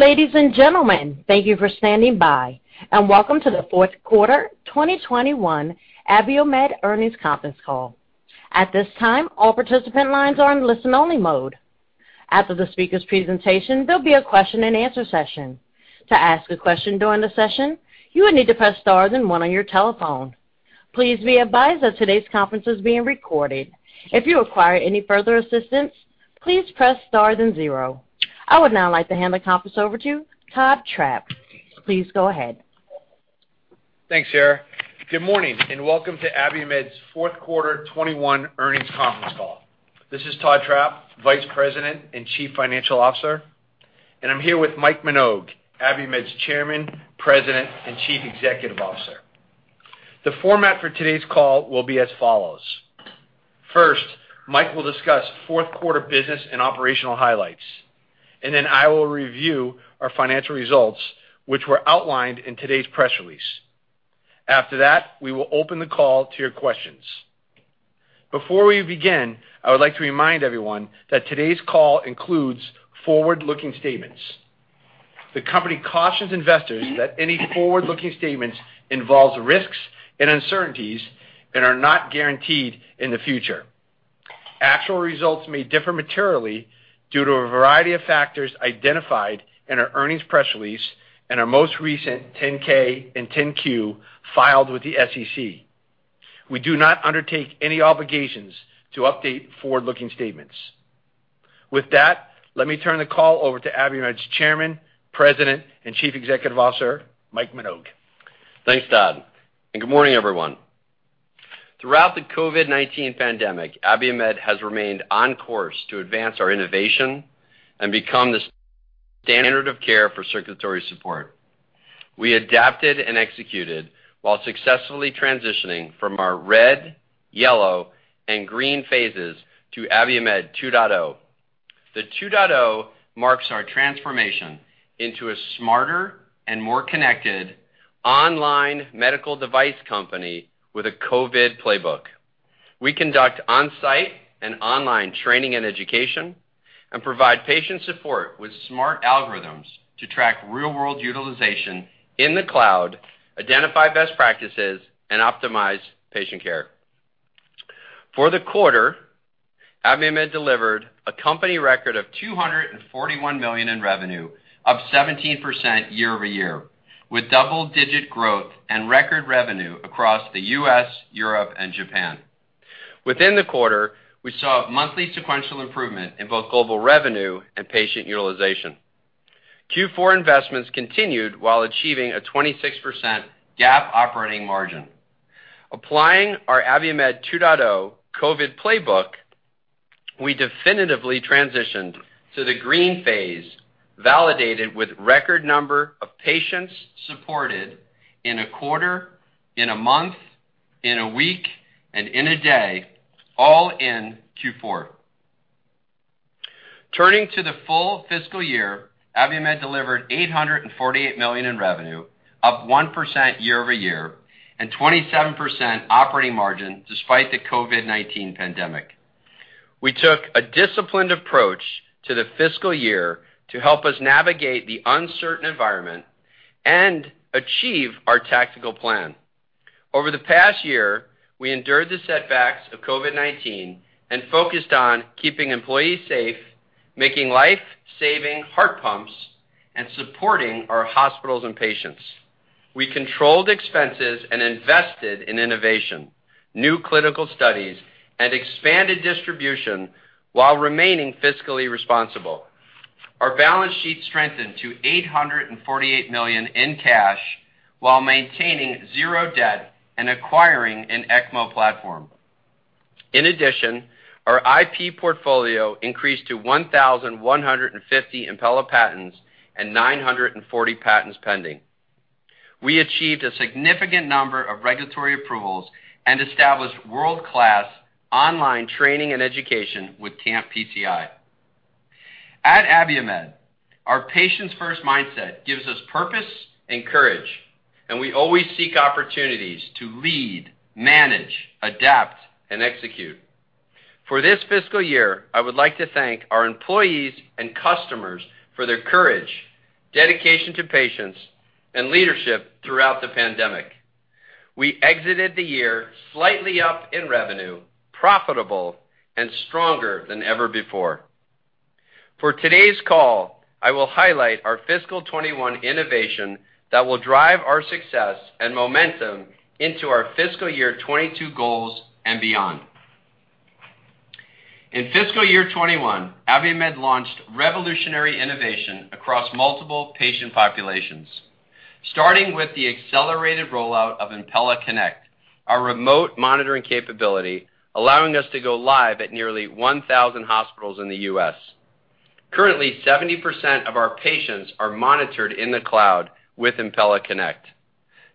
Ladies and gentlemen, thank you for standing by, and welcome to the fourth quarter 2021 Abiomed earnings conference call. At this time, all participant lines are in listen-only mode. After the speaker's presentation, there will be a question-and-answer session. To ask a question during the session, you would need to press star then one on your telephone. Please be advised that today's conference is being recorded. If you require any further assistance, please press star then zero. I would now like to hand the conference over to Todd Trapp. Please go ahead. Thanks, Sarah. Good morning, welcome to Abiomed's fourth quarter 2021 earnings conference call. This is Todd Trapp, Vice President and Chief Financial Officer, and I'm here with Mike Minogue, Abiomed's Chairman, President, and Chief Executive Officer. The format for today's call will be as follows. First, Mike will discuss fourth quarter business and operational highlights, and then I will review our financial results, which were outlined in today's press release. After that, we will open the call to your questions. Before we begin, I would like to remind everyone that today's call includes forward-looking statements. The company cautions investors that any forward-looking statements involve risks and uncertainties and are not guaranteed in the future. Actual results may differ materially due to a variety of factors identified in our earnings press release and our most recent 10-K and 10-Q filed with the SEC. We do not undertake any obligations to update forward-looking statements. With that, let me turn the call over to Abiomed's Chairman, President, and Chief Executive Officer, Mike Minogue. Thanks, Todd, and good morning, everyone. Throughout the COVID-19 pandemic, Abiomed has remained on course to advance our innovation and become the standard of care for circulatory support. We adapted and executed while successfully transitioning from our red, yellow, and green phases to Abiomed 2.0. The 2.0 marks our transformation into a smarter and more connected online medical device company with a COVID playbook. We conduct on-site and online training and education, and provide patient support with smart algorithms to track real-world utilization in the cloud, identify best practices, and optimize patient care. For the quarter, Abiomed delivered a company record of $241 million in revenue, up 17% year-over-year, with double-digit growth and record revenue across the U.S., Europe, and Japan. Within the quarter, we saw monthly sequential improvement in both global revenue and patient utilization. Q4 investments continued while achieving a 26% GAAP operating margin. Applying our Abiomed 2.0 COVID playbook, we definitively transitioned to the green phase, validated with record number of patients supported in a quarter, in a month, in a week, and in a day, all in Q4. Turning to the full fiscal year, Abiomed delivered $848 million in revenue, up 1% year-over-year, and 27% operating margin despite the COVID-19 pandemic. We took a disciplined approach to the fiscal year to help us navigate the uncertain environment and achieve our tactical plan. Over the past year, we endured the setbacks of COVID-19 and focused on keeping employees safe, making life-saving heart pumps, and supporting our hospitals and patients. We controlled expenses and invested in innovation, new clinical studies, and expanded distribution while remaining fiscally responsible. Our balance sheet strengthened to $848 million in cash while maintaining zero debt and acquiring an ECMO platform. In addition, our IP portfolio increased to 1,150 Impella patents and 940 patents pending. We achieved a significant number of regulatory approvals and established world-class online training and education with CAMP PCI. At Abiomed, our patients first mindset gives us purpose and courage, and we always seek opportunities to lead, manage, adapt, and execute. For this fiscal year, I would like to thank our employees and customers for their courage, dedication to patients, and leadership throughout the pandemic. We exited the year slightly up in revenue, profitable, and stronger than ever before. For today's call, I will highlight our fiscal 2021 innovation that will drive our success and momentum into our fiscal year 2022 goals and beyond. In fiscal year 2021, Abiomed launched revolutionary innovation across multiple patient populations, starting with the accelerated rollout of Impella Connect, our remote monitoring capability, allowing us to go live at nearly 1,000 hospitals in the U.S. Currently, 70% of our patients are monitored in the cloud with Impella Connect.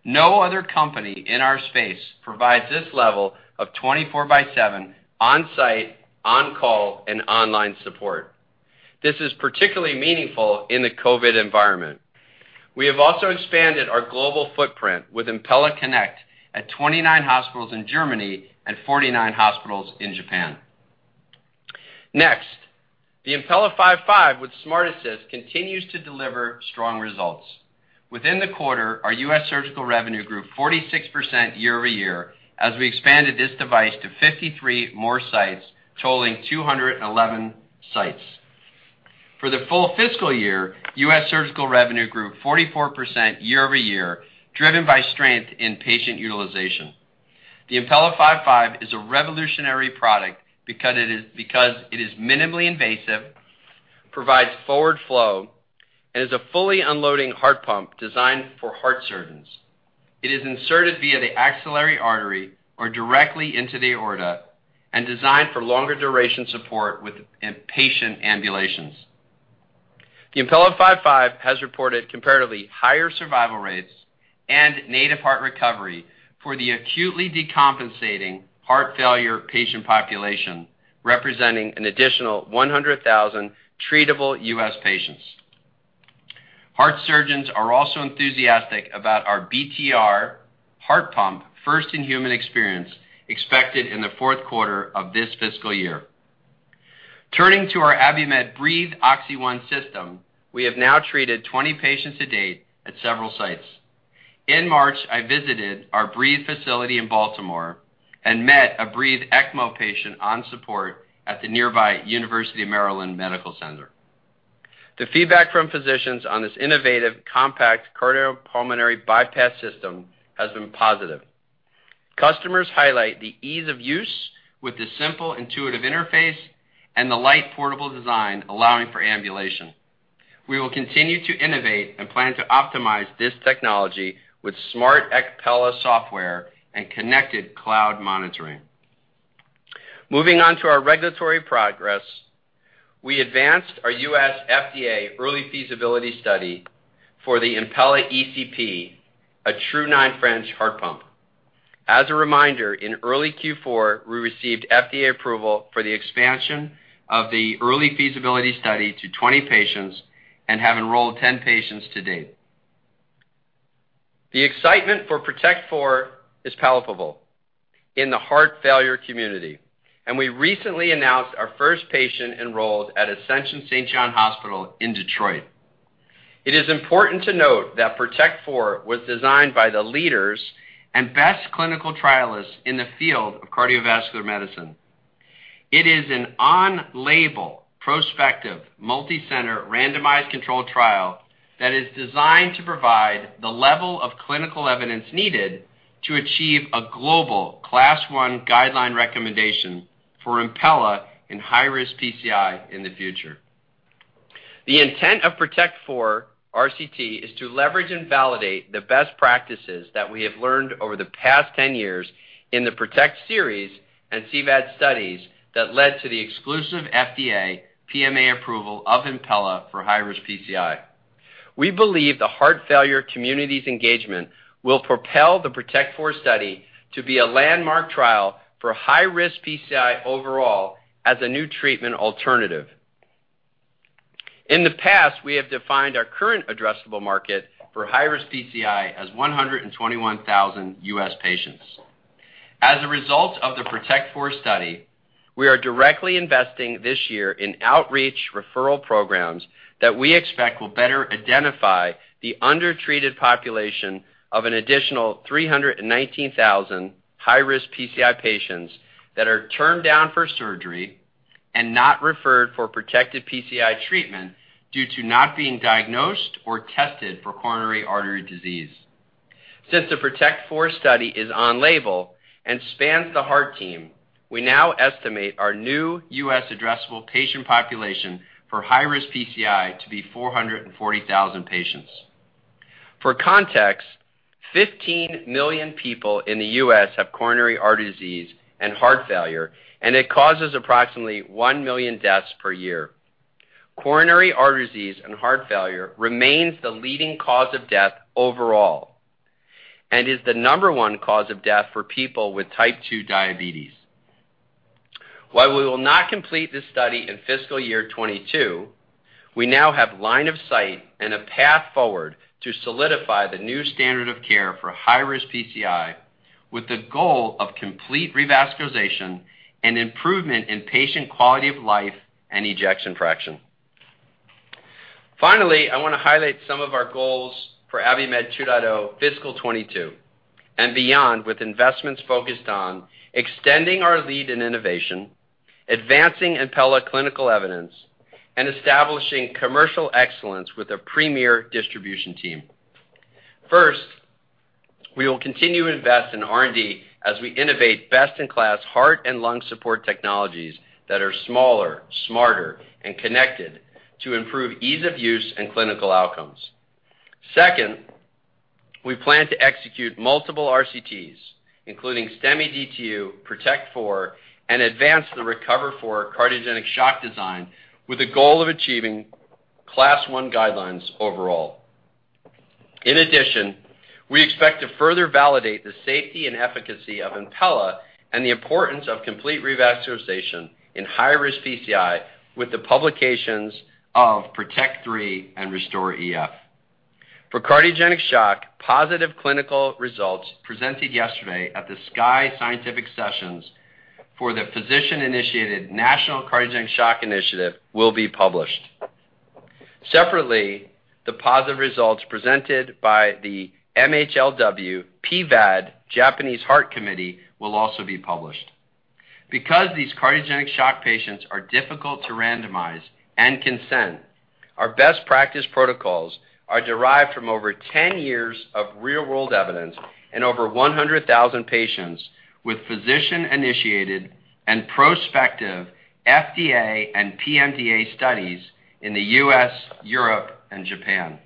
No other company in our space provides this level of 24/7 on-site, on-call, and online support. This is particularly meaningful in the COVID environment. We have also expanded our global footprint with Impella Connect at 29 hospitals in Germany and 49 hospitals in Japan. Next, the Impella 5.5 with SmartAssist continues to deliver strong results. Within the quarter, our U.S. surgical revenue grew 46% year-over-year as we expanded this device to 53 more sites, totaling 211 sites. For the full fiscal year, U.S. surgical revenue grew 44% year-over-year, driven by strength in patient utilization. The Impella 5.5 is a revolutionary product because it is minimally invasive, provides forward flow, and is a fully unloading heart pump designed for heart surgeons. It is inserted via the axillary artery or directly into the aorta and designed for longer duration support with patient ambulations. The Impella 5.5 has reported comparatively higher survival rates and native heart recovery for the acutely decompensating heart failure patient population, representing an additional 100,000 treatable U.S. patients. Heart surgeons are also enthusiastic about our BTR heart pump first in human experience expected in the fourth quarter of this fiscal year. Turning to our Abiomed Breethe OXY-1 System, we have now treated 20 patients to date at several sites. In March, I visited our Breethe facility in Baltimore and met a Breethe ECMO patient on support at the nearby University of Maryland Medical Center. The feedback from physicians on this innovative, compact cardiopulmonary bypass system has been positive. Customers highlight the ease of use with the simple intuitive interface and the light portable design allowing for ambulation. We will continue to innovate and plan to optimize this technology with smart ECPella and connected cloud monitoring. Moving on to our regulatory progress. We advanced our U.S. FDA early feasibility study for the Impella ECP, a true 9 French heart pump. As a reminder, in early Q4, we received FDA approval for the expansion of the early feasibility study to 20 patients and have enrolled 10 patients to date. The excitement for PROTECT IV is palpable in the heart failure community, and we recently announced our first patient enrolled at Ascension St. John Hospital in Detroit. It is important to note that PROTECT IV was designed by the leaders and best clinical trialists in the field of cardiovascular medicine. It is an on-label, prospective, multicenter, randomized controlled trial that is designed to provide the level of clinical evidence needed to achieve a global Class I guideline recommendation for Impella in high-risk PCI in the future. The intent of PROTECT IV RCT is to leverage and validate the best practices that we have learned over the past 10 years in the PROTECT series and cVAD studies that led to the exclusive FDA PMA approval of Impella for high-risk PCI. We believe the heart failure community's engagement will propel the PROTECT IV study to be a landmark trial for high-risk PCI overall as a new treatment alternative. In the past, we have defined our current addressable market for high-risk PCI as 121,000 U.S. patients. As a result of the PROTECT IV study, we are directly investing this year in outreach referral programs that we expect will better identify the undertreated population of an additional 319,000 high-risk PCI patients that are turned down for surgery and not referred for Protected PCI treatment due to not being diagnosed or tested for coronary artery disease. Since the PROTECT IV study is on-label and spans the heart team, we now estimate our new U.S. addressable patient population for high-risk PCI to be 440,000 patients. For context, 15 million people in the U.S. have coronary artery disease and heart failure, and it causes approximately 1 million deaths per year. Coronary artery disease and heart failure remains the leading cause of death overall and is the number one cause of death for people with Type 2 diabetes. While we will not complete this study in fiscal year 2022, we now have line of sight and a path forward to solidify the new standard of care for high-risk PCI with the goal of complete revascularization and improvement in patient quality of life and ejection fraction. Finally, I want to highlight some of our goals for Abiomed 2.0 fiscal 2022 and beyond, with investments focused on extending our lead in innovation, advancing Impella clinical evidence, and establishing commercial excellence with a premier distribution team. First, we will continue to invest in R&D as we innovate best-in-class heart and lung support technologies that are smaller, smarter, and connected to improve ease of use and clinical outcomes. Second, we plan to execute multiple RCTs, including STEMI-DTU, PROTECT IV, and advance the RECOVER IV cardiogenic shock design with the goal of achieving Class I guidelines overall. In addition, we expect to further validate the safety and efficacy of Impella and the importance of complete revascularization in high-risk PCI with the publications of PROTECT III and RESTORE EF. For cardiogenic shock, positive clinical results presented yesterday at the SCAI Scientific Sessions for the physician-initiated National Cardiogenic Shock Initiative will be published. Separately, the positive results presented by the MHLW PVAD Japanese Heart Committee will also be published. Because these cardiogenic shock patients are difficult to randomize and consent, our best practice protocols are derived from over 10 years of real-world evidence in over 100,000 patients with physician-initiated and prospective FDA and PMDA studies in the U.S., Europe, and Japan.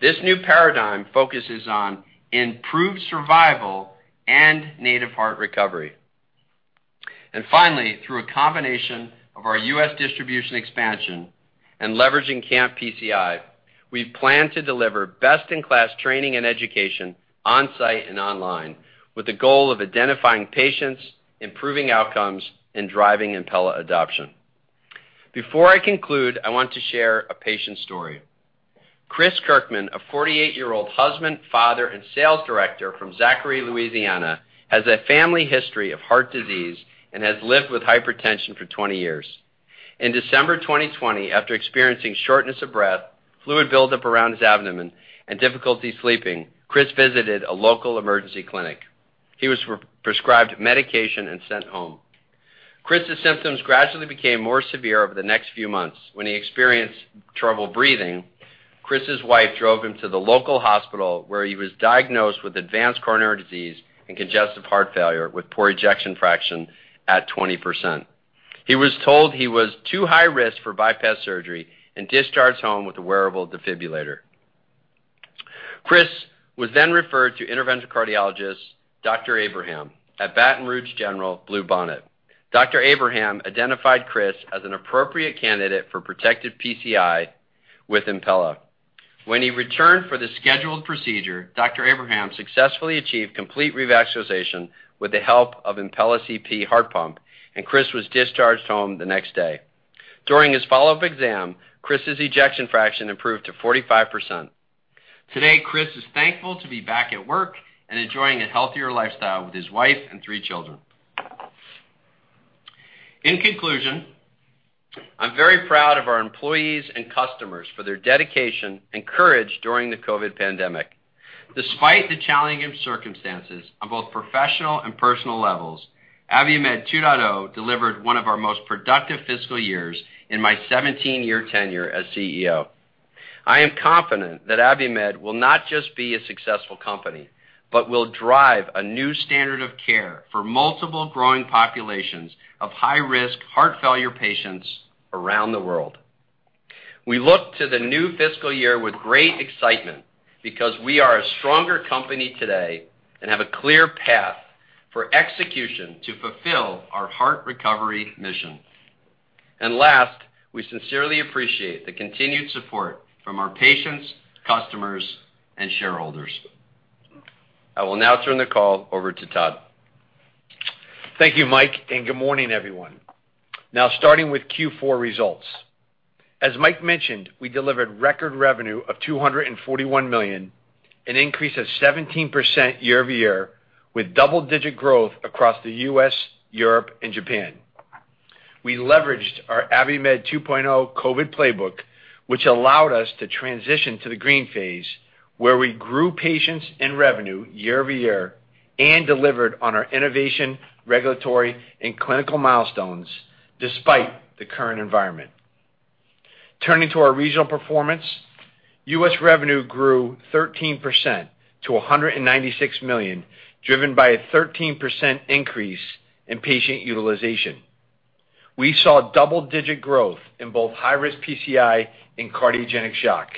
This new paradigm focuses on improved survival and native heart recovery. Finally, through a combination of our U.S. distribution expansion and leveraging CAMP PCI, we plan to deliver best-in-class training and education on-site and online with the goal of identifying patients, improving outcomes, and driving Impella adoption. Before I conclude, I want to share a patient story. Chris Kirkman, a 48-year-old husband, father, and sales director from Zachary, Louisiana, has a family history of heart disease and has lived with hypertension for 20 years. In December 2020, after experiencing shortness of breath, fluid buildup around his abdomen, and difficulty sleeping, Chris visited a local emergency clinic. He was prescribed medication and sent home. Chris' symptoms gradually became more severe over the next few months. When he experienced trouble breathing, Chris' wife drove him to the local hospital, where he was diagnosed with advanced coronary disease and congestive heart failure with poor ejection fraction at 20%. He was told he was too high-risk for bypass surgery and discharged home with a wearable defibrillator. Chris was then referred to interventional cardiologist Dr. Abraham at Baton Rouge General - Bluebonnet. Dr. Abraham identified Chris as an appropriate candidate for Protected PCI with Impella. When he returned for the scheduled procedure, Dr. Abraham successfully achieved complete revascularization with the help of Impella CP heart pump, and Chris was discharged home the next day. During his follow-up exam, Chris' ejection fraction improved to 45%. Today, Chris is thankful to be back at work and enjoying a healthier lifestyle with his wife and three children. In conclusion, I'm very proud of our employees and customers for their dedication and courage during the COVID pandemic. Despite the challenging circumstances on both professional and personal levels, Abiomed 2.0 delivered one of our most productive fiscal years in my 17-year tenure as CEO. I am confident that Abiomed will not just be a successful company, but will drive a new standard of care for multiple growing populations of high-risk heart failure patients around the world. We look to the new fiscal year with great excitement because we are a stronger company today and have a clear path for execution to fulfill our heart recovery mission. Last, we sincerely appreciate the continued support from our patients, customers, and shareholders. I will now turn the call over to Todd. Thank you, Mike. Good morning, everyone. Starting with Q4 results. As Mike mentioned, we delivered record revenue of $241 million, an increase of 17% year-over-year, with double-digit growth across the U.S., Europe, and Japan. We leveraged our Abiomed 2.0 COVID playbook, which allowed us to transition to the green phase, where we grew patients and revenue year-over-year and delivered on our innovation, regulatory, and clinical milestones despite the current environment. Turning to our regional performance, U.S. revenue grew 13% to $196 million, driven by a 13% increase in patient utilization. We saw double-digit growth in both high-risk PCI and cardiogenic shock.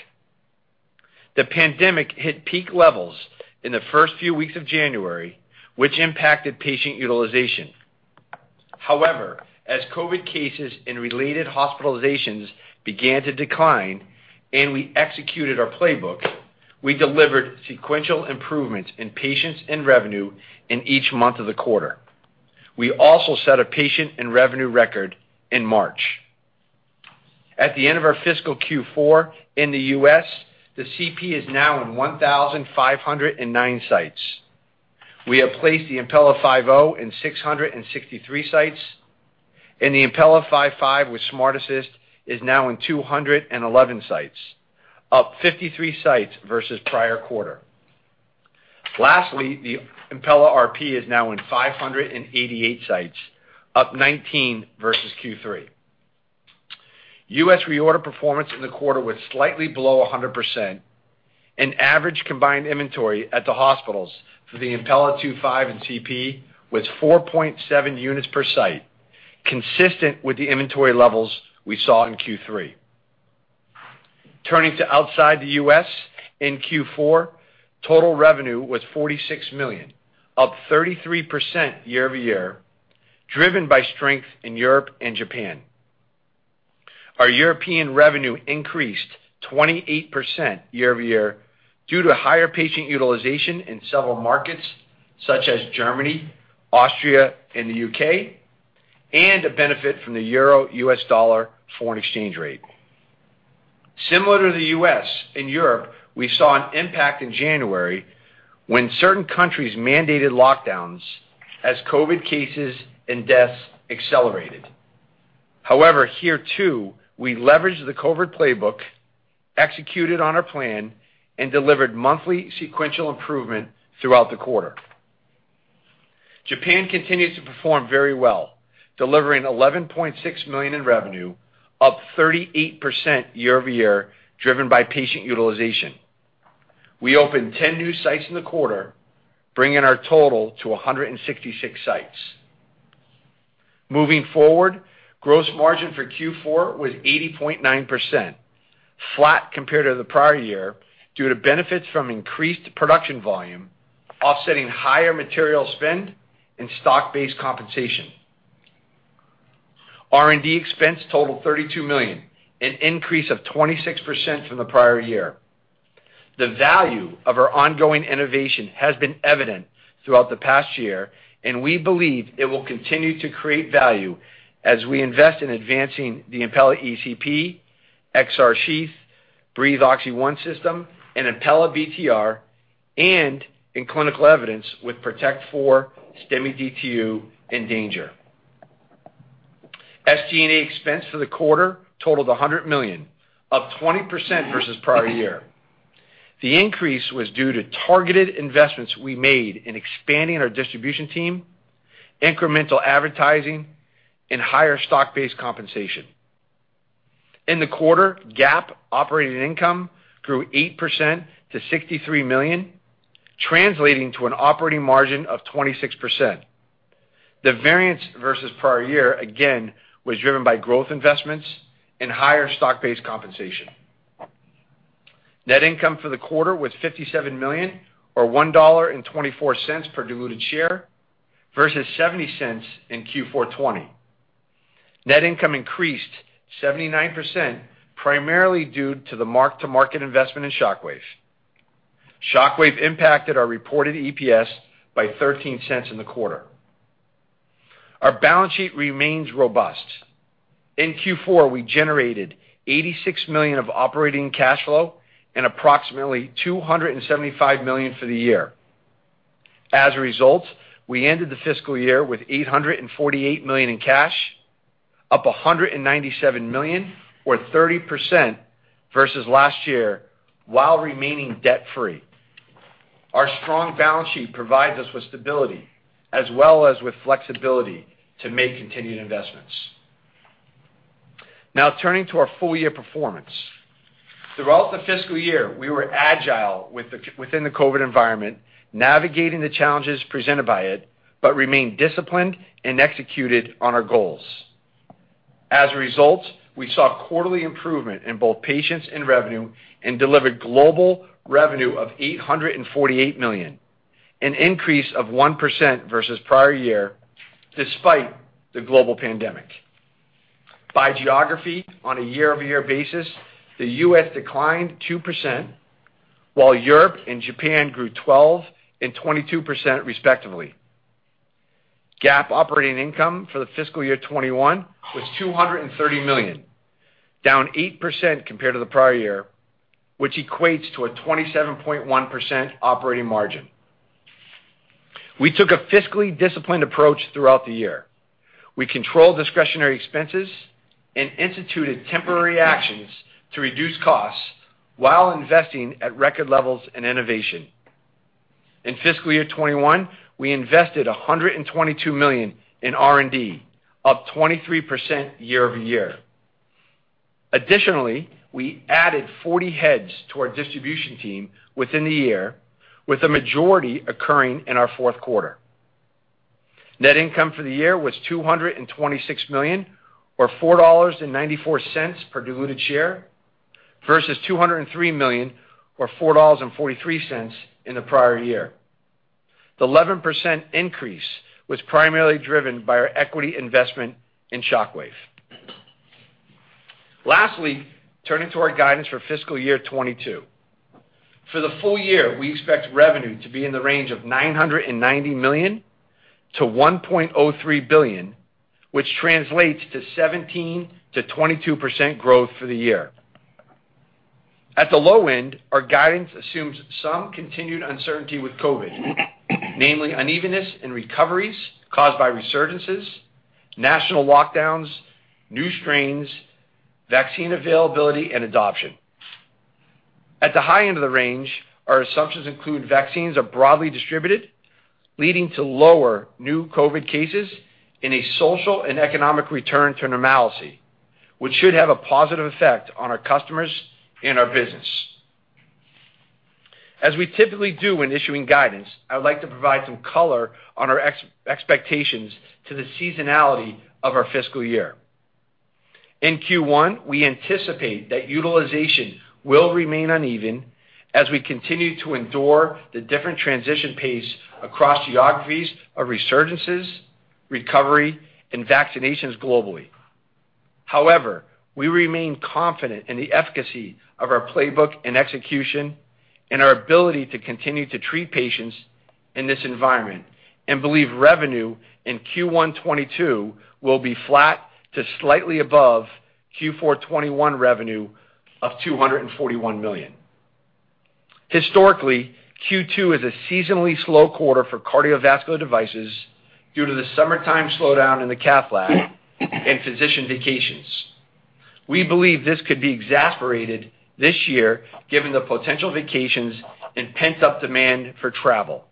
The pandemic hit peak levels in the first few weeks of January, which impacted patient utilization. However, as COVID cases and related hospitalizations began to decline and we executed our playbook, we delivered sequential improvements in patients and revenue in each month of the quarter. We also set a patient and revenue record in March. At the end of our fiscal Q4 in the U.S., the CP is now in 1,509 sites. We have placed the Impella 5.0 in 663 sites, and the Impella 5.5 with SmartAssist is now in 211 sites, up 53 sites versus prior quarter. Lastly, the Impella RP is now in 588 sites, up 19 versus Q3. U.S. reorder performance in the quarter was slightly below 100%, and average combined inventory at the hospitals for the Impella 2.5 and CP was 4.7 units per site, consistent with the inventory levels we saw in Q3. Turning to outside the U.S., in Q4, total revenue was $46 million, up 33% year-over-year, driven by strength in Europe and Japan. Our European revenue increased 28% year-over-year due to higher patient utilization in several markets such as Germany, Austria, and the U.K. and a benefit from the euro/U.S. dollar foreign exchange rate. Similar to the U.S., in Europe, we saw an impact in January when certain countries mandated lockdowns as COVID cases and deaths accelerated. However, here too, we leveraged the COVID playbook, executed on our plan, and delivered monthly sequential improvement throughout the quarter. Japan continues to perform very well, delivering $11.6 million in revenue, up 38% year-over-year, driven by patient utilization. We opened 10 new sites in the quarter, bringing our total to 166 sites. Moving forward, gross margin for Q4 was 80.9%, flat compared to the prior year due to benefits from increased production volume offsetting higher material spend and stock-based compensation. R&D expense totaled $32 million, an increase of 26% from the prior year. The value of our ongoing innovation has been evident throughout the past year, and we believe it will continue to create value as we invest in advancing the Impella ECP, XR Sheath, Breethe OXY-1 System, and Impella BTR, and in clinical evidence with PROTECT IV, STEMI-DTU, and DanGer. SG&A expense for the quarter totaled $100 million, up 20% versus prior year. The increase was due to targeted investments we made in expanding our distribution team, incremental advertising, and higher stock-based compensation. In the quarter, GAAP operating income grew 8% to $63 million, translating to an operating margin of 26%. The variance versus prior year, again, was driven by growth investments and higher stock-based compensation. Net income for the quarter was $57 million, or $1.24 per diluted share, versus $0.70 in Q4 2020. Net income increased 79%, primarily due to the mark-to-market investment in Shockwave. Shockwave impacted our reported EPS by $0.13 in the quarter. Our balance sheet remains robust. In Q4, we generated $86 million of operating cash flow and approximately $275 million for the year. As a result, we ended the fiscal year with $848 million in cash, up $197 million, or 30%, versus last year while remaining debt-free. Our strong balance sheet provides us with stability as well as with flexibility to make continued investments. Now turning to our full-year performance. Throughout the fiscal year, we were agile within the COVID environment, navigating the challenges presented by it, but remained disciplined and executed on our goals. As a result, we saw quarterly improvement in both patients and revenue and delivered global revenue of $848 million, an increase of 1% versus prior year despite the global pandemic. By geography, on a year-over-year basis, the U.S. declined 2%, while Europe and Japan grew 12% and 22% respectively. GAAP operating income for the fiscal year 2021 was $230 million, down 8% compared to the prior year, which equates to a 27.1% operating margin. We took a fiscally disciplined approach throughout the year. We controlled discretionary expenses and instituted temporary actions to reduce costs while investing at record levels in innovation. In fiscal year 2021, we invested $122 million in R&D, up 23% year-over-year. Additionally, we added 40 heads to our distribution team within the year, with the majority occurring in our fourth quarter. Net income for the year was $226 million, or $4.94 per diluted share, versus $203 million or $4.43 in the prior year. The 11% increase was primarily driven by our equity investment in Shockwave. Lastly, turning to our guidance for fiscal year 2022. For the full year, we expect revenue to be in the range of $990 million-$1.03 billion, which translates to 17%-22% growth for the year. At the low end, our guidance assumes some continued uncertainty with COVID, namely unevenness in recoveries caused by resurgences, national lockdowns, new strains, vaccine availability, and adoption. At the high end of the range, our assumptions include vaccines are broadly distributed, leading to lower new COVID cases and a social and economic return to normalcy, which should have a positive effect on our customers and our business. As we typically do when issuing guidance, I would like to provide some color on our expectations to the seasonality of our fiscal year. In Q1, we anticipate that utilization will remain uneven as we continue to endure the different transition pace across geographies of resurgences, recovery, and vaccinations globally. However, we remain confident in the efficacy of our playbook and execution, and our ability to continue to treat patients in this environment and believe revenue in Q1 2022 will be flat to slightly above Q4 2021 revenue of $241 million. Historically, Q2 is a seasonally slow quarter for cardiovascular devices due to the summertime slowdown in the cath lab and physician vacations. We believe this could be exacerbated this year, given the potential vacations and pent-up demand for travel.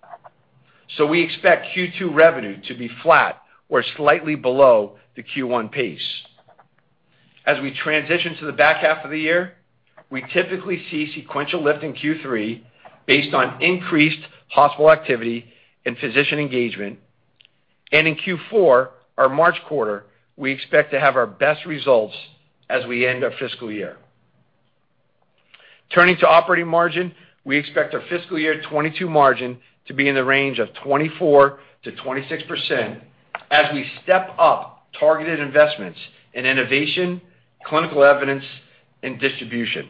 We expect Q2 revenue to be flat or slightly below the Q1 pace. As we transition to the back half of the year, we typically see sequential lift in Q3 based on increased hospital activity and physician engagement. In Q4, our March quarter, we expect to have our best results as we end our fiscal year. Turning to operating margin, we expect our fiscal year 2022 margin to be in the range of 24%-26% as we step up targeted investments in innovation, clinical evidence, and distribution.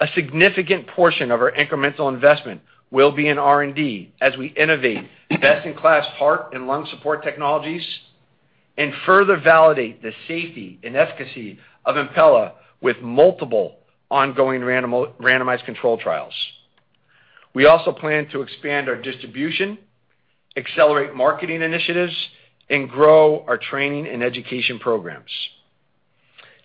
A significant portion of our incremental investment will be in R&D as we innovate best-in-class heart and lung support technologies and further validate the safety and efficacy of Impella with multiple ongoing randomized controlled trials. We also plan to expand our distribution, accelerate marketing initiatives, and grow our training and education programs.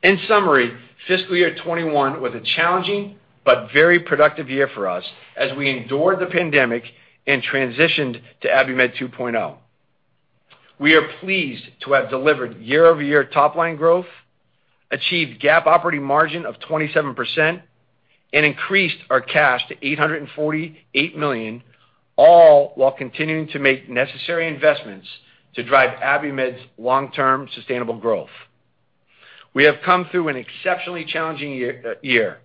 In summary, fiscal year 2021 was a challenging but very productive year for us as we endured the pandemic and transitioned to Abiomed 2.0. We are pleased to have delivered year-over-year top-line growth, achieved GAAP operating margin of 27%, and increased our cash to $848 million, all while continuing to make necessary investments to drive Abiomed's long-term sustainable growth. We have come through an exceptionally challenging year.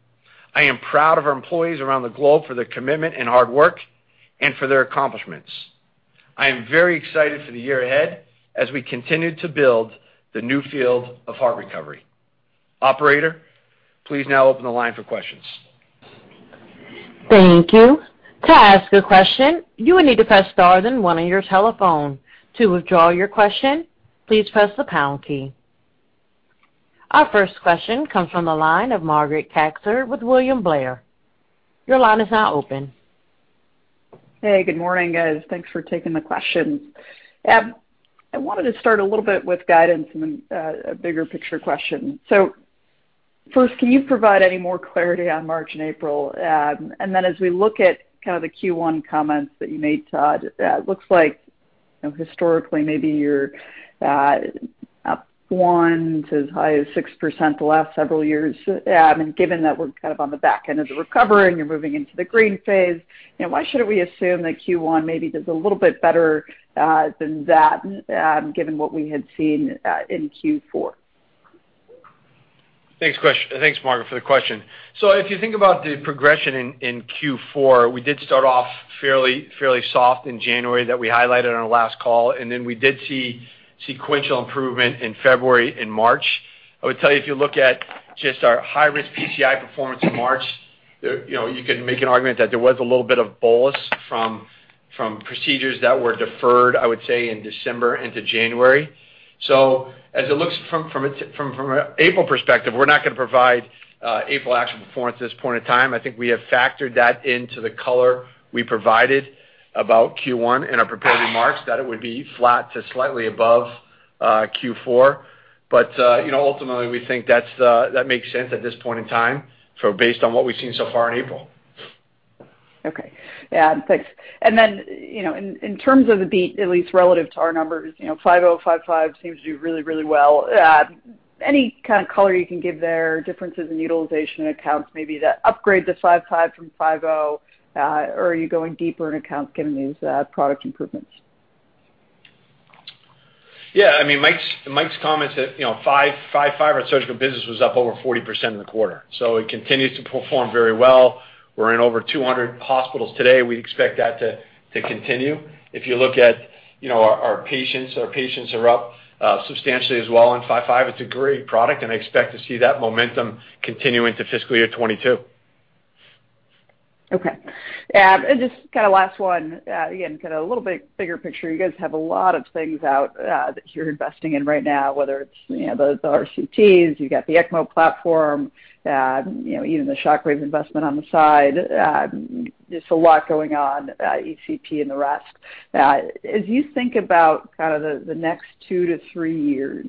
I am proud of our employees around the globe for their commitment and hard work and for their accomplishments. I am very excited for the year ahead as we continue to build the new field of heart recovery. Operator, please now open the line for questions. Thank you. To ask a question, you will need to press star then one on your telephone. To withdraw your question, please press the pound key. Our first question comes from the line of Margaret Kaczor with William Blair. Your line is now open. Hey, good morning, guys. Thanks for taking the questions. I wanted to start a little bit with guidance and a bigger picture question. First, can you provide any more clarity on March and April? As we look at kind of the Q1 comments that you made, Todd, it looks like historically maybe you're up 1% to as high as 6% the last several years. Given that we're kind of on the back end of the recovery and you're moving into the green phase, why should we assume that Q1 maybe does a little bit better than that given what we had seen in Q4? Thanks, Margaret, for the question. If you think about the progression in Q4, we did start off fairly soft in January that we highlighted on our last call, and then we did see sequential improvement in February and March. I would tell you, if you look at just our high-risk PCI performance in March, you could make an argument that there was a little bit of bolus from procedures that were deferred, I would say, in December into January. As it looks from an April perspective, we're not going to provide April actual performance at this point in time. I think we have factored that into the color we provided about Q1 in our prepared remarks, that it would be flat to slightly above Q4. Ultimately, we think that makes sense at this point in time based on what we've seen so far in April. Okay. Yeah, thanks. In terms of the beat, at least relative to our numbers, 5.0, 5.5 seems to do really, really well. Any kind of color you can give there, differences in utilization in accounts, maybe that upgrade to 5.5 from 5.0, or are you going deeper in accounts given these product improvements? Yeah, Mike's comments that 5.5, our surgical business was up over 40% in the quarter. It continues to perform very well. We're in over 200 hospitals today. We expect that to continue. If you look at our patients, our patients are up substantially as well in 5.5. It's a great product, and I expect to see that momentum continue into fiscal year 2022. Okay. Just kind of last one, again, kind of a little bit bigger picture. You guys have a lot of things out that you're investing in right now, whether it's the RCTs, you got the ECMO platform, even the Shockwave investment on the side. There's a lot going on, ECP and the rest. As you think about kind of the next two to three years,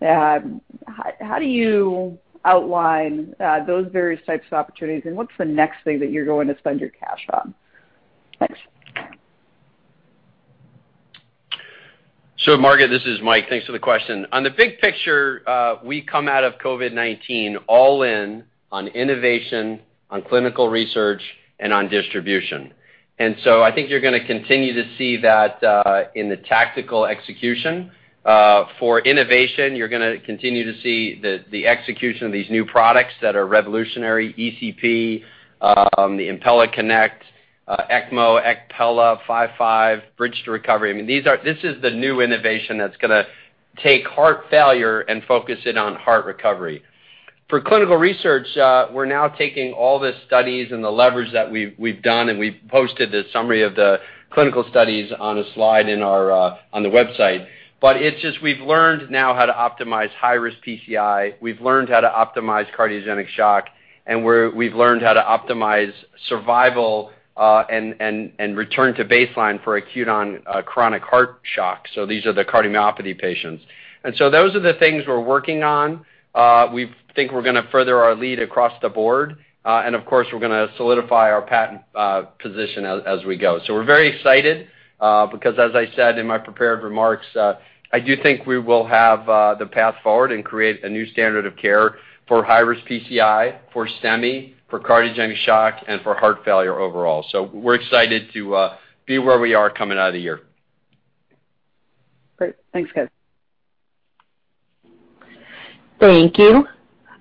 how do you outline those various types of opportunities, and what's the next thing that you're going to spend your cash on? Thanks. Margaret, this is Mike. Thanks for the question. On the big picture, we come out of COVID-19 all in on innovation, on clinical research, and on distribution. I think you're going to continue to see that in the tactical execution. For innovation, you're going to continue to see the execution of these new products that are revolutionary, ECP, the Impella Connect, ECMO, ECPella, 5.5, Bridge-to-Recovery. This is the new innovation that's going to take heart failure and focus it on heart recovery. For clinical research, we're now taking all the studies and the levers that we've done, and we've posted the summary of the clinical studies on a slide on the website. It's just we've learned now how to optimize high-risk PCI. We've learned how to optimize cardiogenic shock, and we've learned how to optimize survival and return to baseline for acute on chronic heart shock. These are the cardiomyopathy patients. Those are the things we're working on. We think we're going to further our lead across the board, and of course, we're going to solidify our patent position as we go. We're very excited because, as I said in my prepared remarks, I do think we will have the path forward and create a new standard of care for high-risk PCI, for STEMI, for cardiogenic shock, and for heart failure overall. We're excited to be where we are coming out of the year. Great. Thanks, guys. Thank you.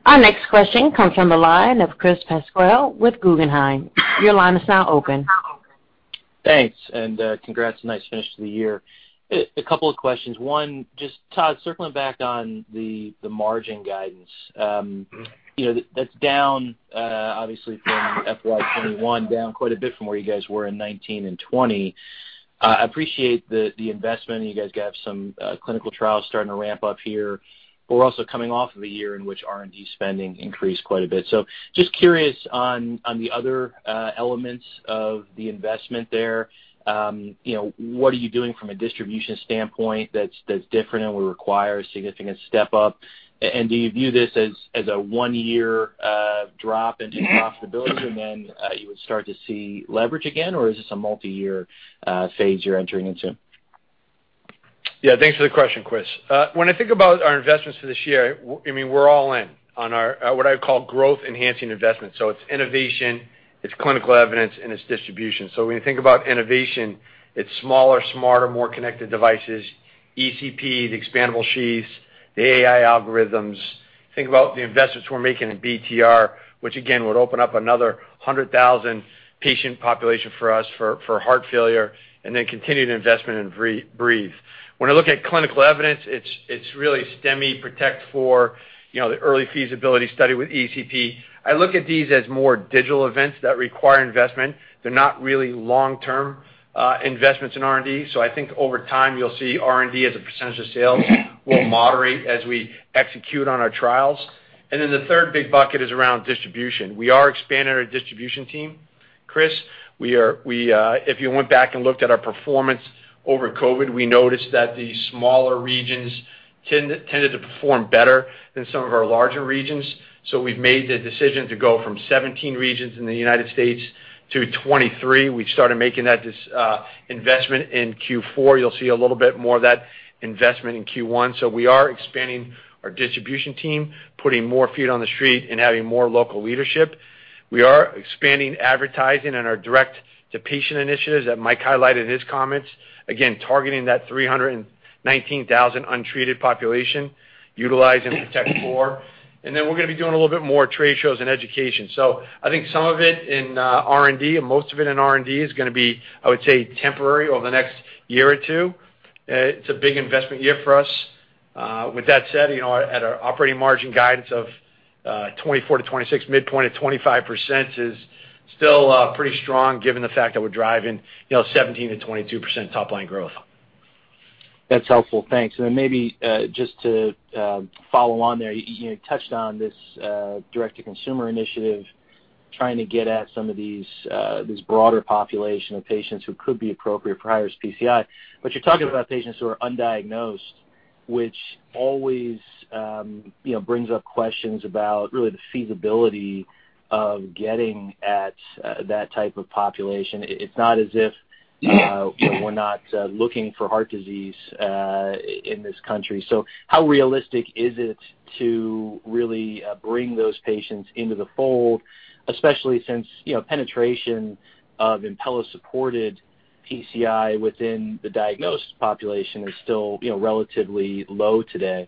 Our next question comes from the line of Chris Pasquale with Guggenheim. Your line is now open. Thanks, and congrats. Nice finish to the year. A couple of questions. One, just Todd, circling back on the margin guidance. That's down obviously from FY 2021, down quite a bit from where you guys were in 2019 and 2020. I appreciate the investment. You guys have some clinical trials starting to ramp up here. We're also coming off of a year in which R&D spending increased quite a bit. Just curious on the other elements of the investment there. What are you doing from a distribution standpoint that's different and will require a significant step-up? Do you view this as a one-year drop into profitability and then you would start to see leverage again, or is this a multi-year phase you're entering into? Yeah, thanks for the question, Chris. When I think about our investments for this year, we're all in on our, what I call growth-enhancing investments. It's innovation, it's clinical evidence, and it's distribution. When you think about innovation, it's smaller, smarter, more connected devices, ECP, the expandable sheaths, the AI algorithms. Think about the investments we're making in BTR, which again, would open up another 100,000-patient population for us for heart failure and then continued investment in Breethe. When I look at clinical evidence, it's really STEMI, PROTECT IV, the early feasibility study with ECP. I look at these as more digital events that require investment. They're not really long-term investments in R&D. I think over time, you'll see R&D as a percentage of sales will moderate as we execute on our trials. The third big bucket is around distribution. We are expanding our distribution team, Chris. If you went back and looked at our performance over COVID, we noticed that the smaller regions tended to perform better than some of our larger regions. We've made the decision to go from 17 regions in the United States to 23. We've started making that investment in Q4. You'll see a little bit more of that investment in Q1. We are expanding our distribution team, putting more feet on the street, and having more local leadership. We are expanding advertising and our direct-to-patient initiatives that Mike highlighted in his comments. Again, targeting that 319,000 untreated population utilizing PROTECT IV. Then we're going to be doing a little bit more trade shows and education. I think some of it in R&D and most of it in R&D is going to be, I would say, temporary over the next year or two. It's a big investment year for us. With that said, at our operating margin guidance of 24%-26%, midpoint of 25% is still pretty strong given the fact that we're driving 17%-22% top-line growth. That's helpful. Thanks. Then maybe just to follow on there, you touched on this direct-to-consumer initiative, trying to get at some of this broader population of patients who could be appropriate for high-risk PCI. You're talking about patients who are undiagnosed, which always brings up questions about really the feasibility of getting at that type of population. It's not as if we're not looking for heart disease in this country. How realistic is it to really bring those patients into the fold, especially since penetration of Impella-supported PCI within the diagnosed population is still relatively low today?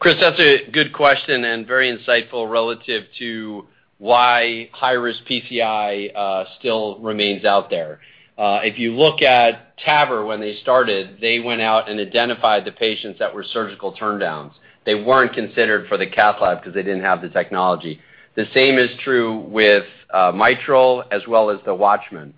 Chris, that's a good question and very insightful relative to why high-risk PCI still remains out there. If you look at TAVR, when they started, they went out and identified the patients that were surgical turndowns. They weren't considered for the cath lab because they didn't have the technology. The same is true with mitral as well as the WATCHMAN.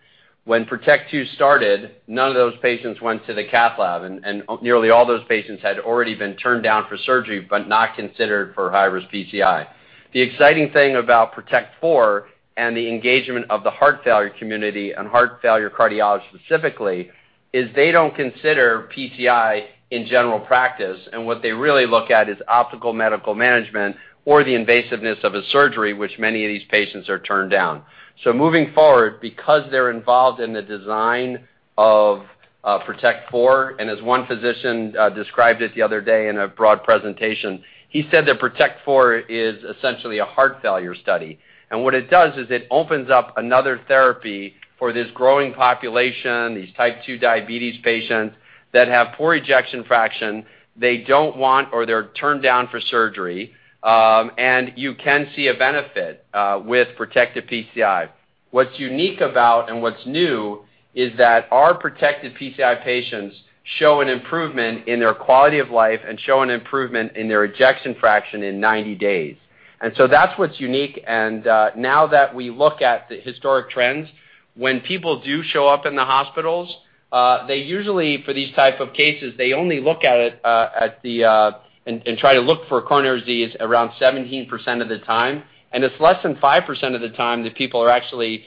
When PROTECT II started, none of those patients went to the cath lab, and nearly all those patients had already been turned down for surgery but not considered for high-risk PCI. The exciting thing about PROTECT IV and the engagement of the heart failure community and heart failure cardiologists specifically is they don't consider PCI in general practice, and what they really look at is optimal medical management or the invasiveness of a surgery, which many of these patients are turned down. Moving forward, because they're involved in the design of PROTECT IV, and as one physician described it the other day in a broad presentation, he said that PROTECT IV is essentially a heart failure study. What it does is it opens up another therapy for this growing population, these Type 2 diabetes patients that have poor ejection fraction. They don't want or they're turned down for surgery. You can see a benefit with Protected PCI. What's unique about and what's new is that our Protected PCI patients show an improvement in their quality of life and show an improvement in their ejection fraction in 90 days. That's what's unique. Now that we look at the historic trends, when people do show up in the hospitals, they usually, for these type of cases, they only look at it and try to look for coronary disease around 17% of the time. It's less than 5% of the time that people are actually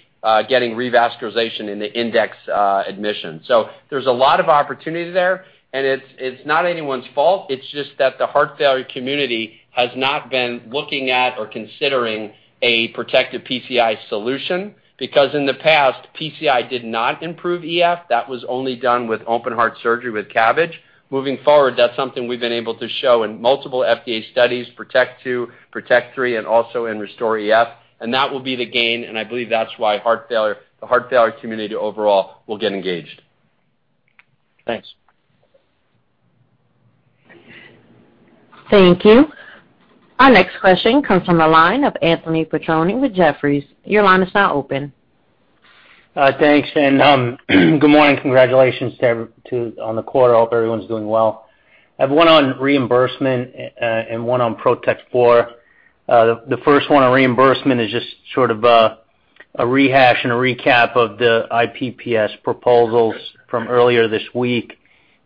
getting revascularization in the index admission. There's a lot of opportunity there, and it's not anyone's fault. It's just that the heart failure community has not been looking at or considering a Protected PCI solution because, in the past, PCI did not improve EF. That was only done with open-heart surgery with CABG. Moving forward, that's something we've been able to show in multiple FDA studies, PROTECT II, PROTECT III, and also in RESTORE EF, and that will be the gain, and I believe that's why the heart failure community overall will get engaged. Thanks. Thank you. Our next question comes from the line of Anthony Petrone with Jefferies. Your line is now open. Thanks. Good morning. Congratulations on the quarter. I hope everyone's doing well. I have one on reimbursement and one on PROTECT IV. The first one on reimbursement is just sort of a rehash and a recap of the IPPS proposals from earlier this week,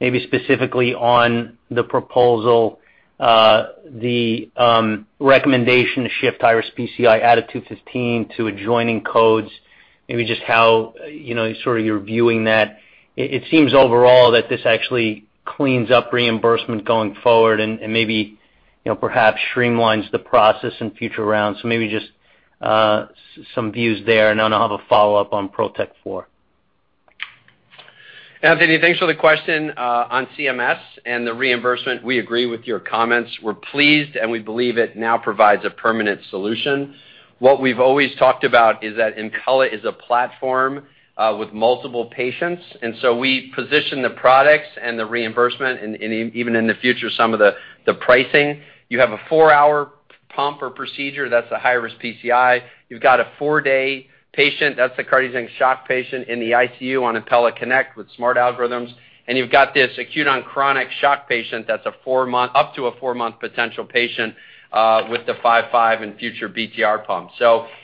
maybe specifically on the proposal the recommendation to shift high-risk PCI out of 215 to adjoining codes, maybe just how you're viewing that. It seems overall that this actually cleans up reimbursement going forward and maybe perhaps streamlines the process in future rounds. Maybe just some views there, and then I'll have a follow-up on PROTECT IV. Anthony, thanks for the question. On CMS and the reimbursement, we agree with your comments. We're pleased, and we believe it now provides a permanent solution. What we've always talked about is that Impella is a platform with multiple patients, and so we position the products and the reimbursement, and even in the future, some of the pricing. You have a four-hour pump or procedure, that's a high-risk PCI. You've got a four-day patient, that's the cardiogenic shock patient in the ICU on Impella Connect with smart algorithms, and you've got this acute on chronic shock patient that's up to a four-month potential patient with the 5.5 and future BTR pump.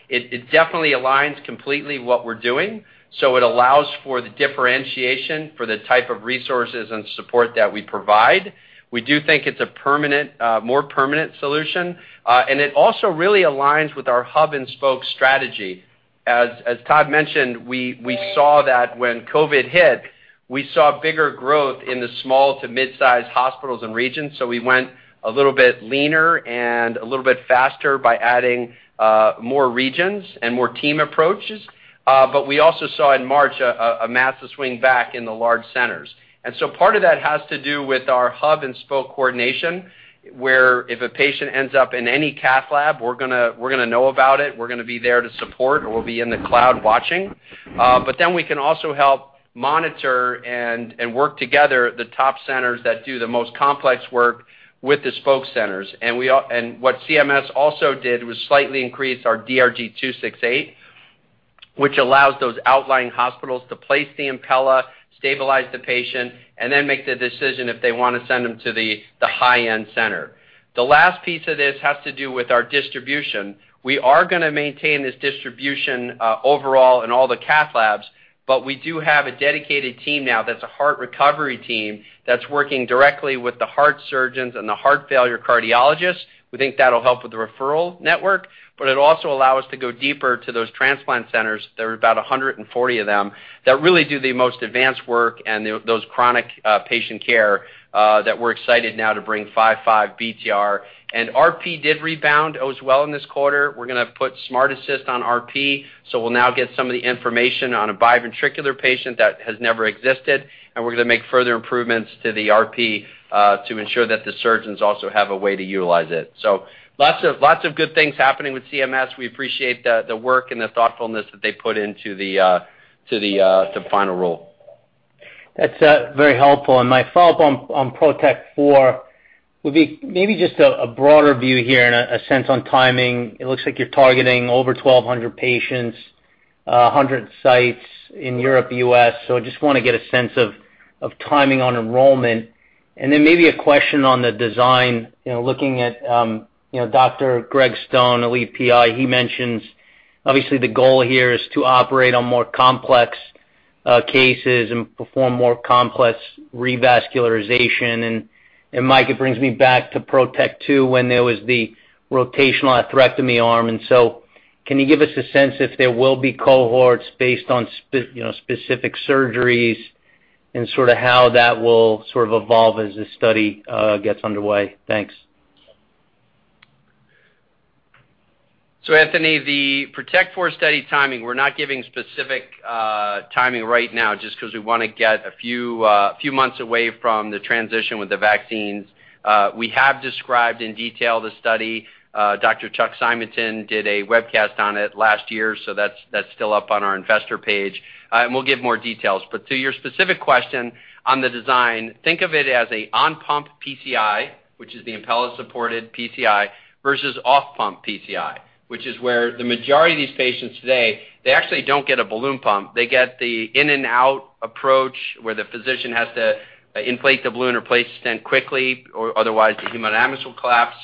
It definitely aligns completely what we're doing. It allows for the differentiation for the type of resources and support that we provide. We do think it's a more permanent solution. It also really aligns with our hub-and-spoke strategy. As Todd mentioned, we saw that when COVID hit, we saw bigger growth in the small to mid-size hospitals and regions. We went a little bit leaner and a little bit faster by adding more regions and more team approaches. We also saw in March a massive swing back in the large centers. Part of that has to do with our hub-and-spoke coordination, where if a patient ends up in any cath lab, we're going to know about it, we're going to be there to support, or we'll be in the cloud watching. Then we can also help monitor and work together the top centers that do the most complex work with the spoke centers. What CMS also did was slightly increase our DRG 268, which allows those outlying hospitals to place the Impella, stabilize the patient, and then make the decision if they want to send them to the high-end center. The last piece of this has to do with our distribution. We are going to maintain this distribution overall in all the cath labs, but we do have a dedicated team now that's a heart recovery team that's working directly with the heart surgeons and the heart failure cardiologists. We think that'll help with the referral network, but it'll also allow us to go deeper to those transplant centers, there are about 140 of them, that really do the most advanced work and those chronic patient care that we're excited now to bring 5.5, BTR. RP did rebound as well in this quarter. We're going to put SmartAssist on RP, so we'll now get some of the information on a biventricular patient that has never existed, and we're going to make further improvements to the RP to ensure that the surgeons also have a way to utilize it. Lots of good things happening with CMS. We appreciate the work and the thoughtfulness that they put into the final rule. That's very helpful. My follow-up on PROTECT IV would be maybe just a broader view here and a sense on timing. It looks like you're targeting over 1,200 patients, 100 sites in Europe, U.S., so I just want to get a sense of timing on enrollment. Then maybe a question on the design, looking at Dr. Gregg Stone, the lead PI, he mentions obviously the goal here is to operate on more complex cases and perform more complex revascularization. Mike, it brings me back to PROTECT II when there was the rotational atherectomy arm. So can you give us a sense if there will be cohorts based on specific surgeries and sort of how that will sort of evolve as this study gets underway? Thanks. Anthony, the PROTECT IV study timing, we're not giving specific timing right now just because we want to get a few months away from the transition with the vaccines. We have described in detail the study. Dr. Chuck Simonton did a webcast on it last year, so that's still up on our investor page, and we will give more details. To your specific question on the design, think of it as a on-pump PCI, which is the Impella-supported PCI, versus off-pump PCI, which is where the majority of these patients today, they actually don't get a balloon pump. They get the in and out approach where the physician has to inflate the balloon or place the stent quickly or otherwise the hemodynamics will collapse.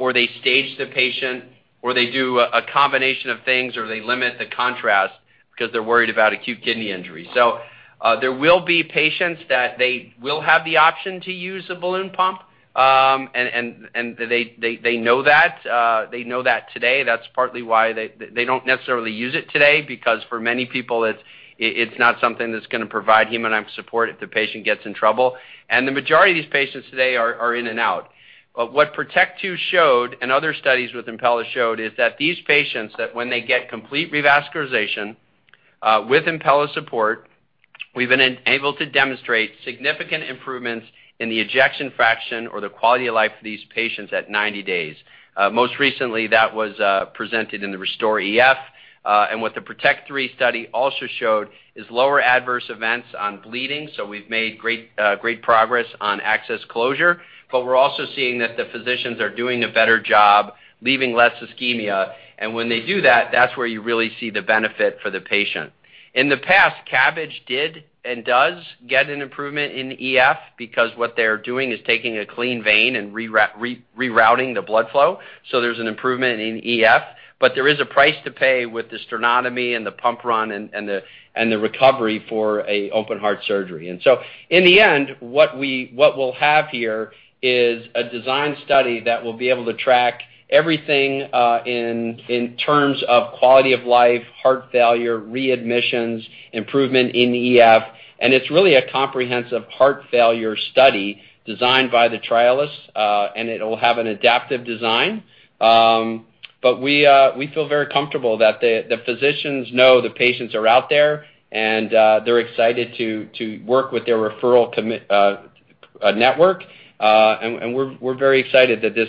Or they stage the patient, or they do a combination of things, or they limit the contrast because they're worried about acute kidney injury. There will be patients that they will have the option to use a balloon pump, and they know that today. That's partly why they don't necessarily use it today, because for many people, it's not something that's going to provide hemodynamic support if the patient gets in trouble. The majority of these patients today are in and out. What PROTECT II showed, and other studies with Impella showed, is that these patients, that when they get complete revascularization with Impella support, we've been able to demonstrate significant improvements in the ejection fraction or the quality of life for these patients at 90 days. Most recently, that was presented in the RESTORE EF. What the PROTECT III study also showed is lower adverse events on bleeding. We've made great progress on access closure, but we're also seeing that the physicians are doing a better job leaving less ischemia. When they do that's where you really see the benefit for the patient. In the past, CABG did and does get an improvement in EF because what they're doing is taking a clean vein and rerouting the blood flow. There's an improvement in EF, but there is a price to pay with the sternotomy and the pump run and the recovery for a open heart surgery. In the end, what we'll have here is a design study that will be able to track everything in terms of quality of life, heart failure, readmissions, improvement in EF, and it's really a comprehensive heart failure study designed by the trialists, and it'll have an adaptive design. We feel very comfortable that the physicians know the patients are out there, and they're excited to work with their referral network. We're very excited that this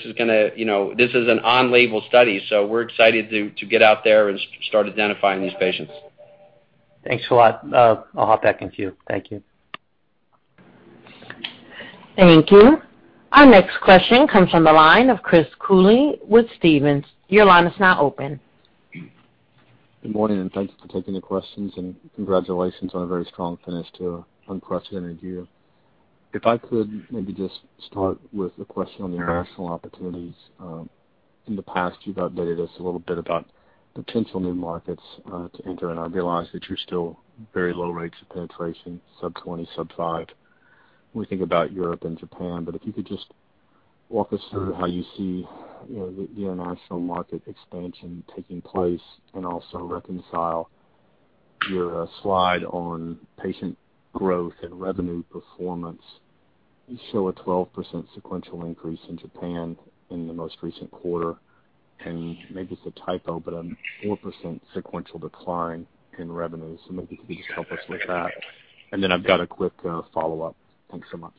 is an on-label study, so we're excited to get out there and start identifying these patients. Thanks a lot. I'll hop back in queue. Thank you. Thank you. Our next question comes from the line of Chris Cooley with Stephens. Your line is now open. Good morning. Thank you for taking the questions and congratulations on a very strong finish to an unprecedented year. If I could maybe just start with a question on the international opportunities. In the past you've updated us a little bit about potential new markets to enter and I realize that you're still very low rates of penetration, sub-20%, sub-5%. We think about Europe and Japan, but if you could just walk us through how you see the international market expansion taking place and also reconcile your slide on patient growth and revenue performance. You show a 12% sequential increase in Japan in the most recent quarter, and maybe it's a typo, but a 4% sequential decline in revenue. Maybe could you just help us with that? I've got a quick follow-up. Thanks so much.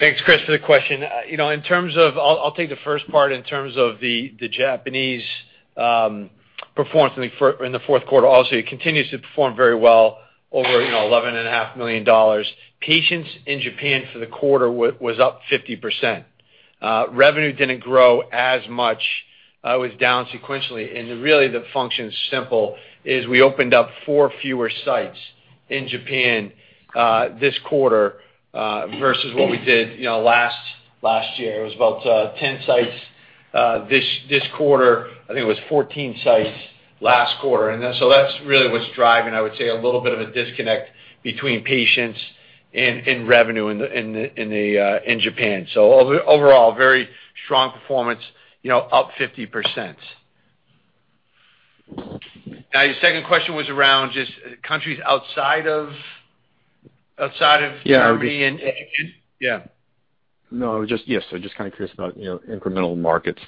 Thanks, Chris, for the question. I'll take the first part in terms of the Japanese performance in the fourth quarter. Also, it continues to perform very well over $11.5 million. Patients in Japan for the quarter was up 50%. Revenue didn't grow as much. It was down sequentially. Really the function is simple, is we opened up four fewer sites in Japan this quarter versus what we did last year. It was about 10 sites this quarter. I think it was 14 sites last quarter. That's really what's driving, I would say, a little bit of a disconnect between patients and revenue in Japan. Overall, very strong performance, up 50%. Your second question was around just countries outside of Germany and Japan? No, just yes. Just kind of curious about incremental markets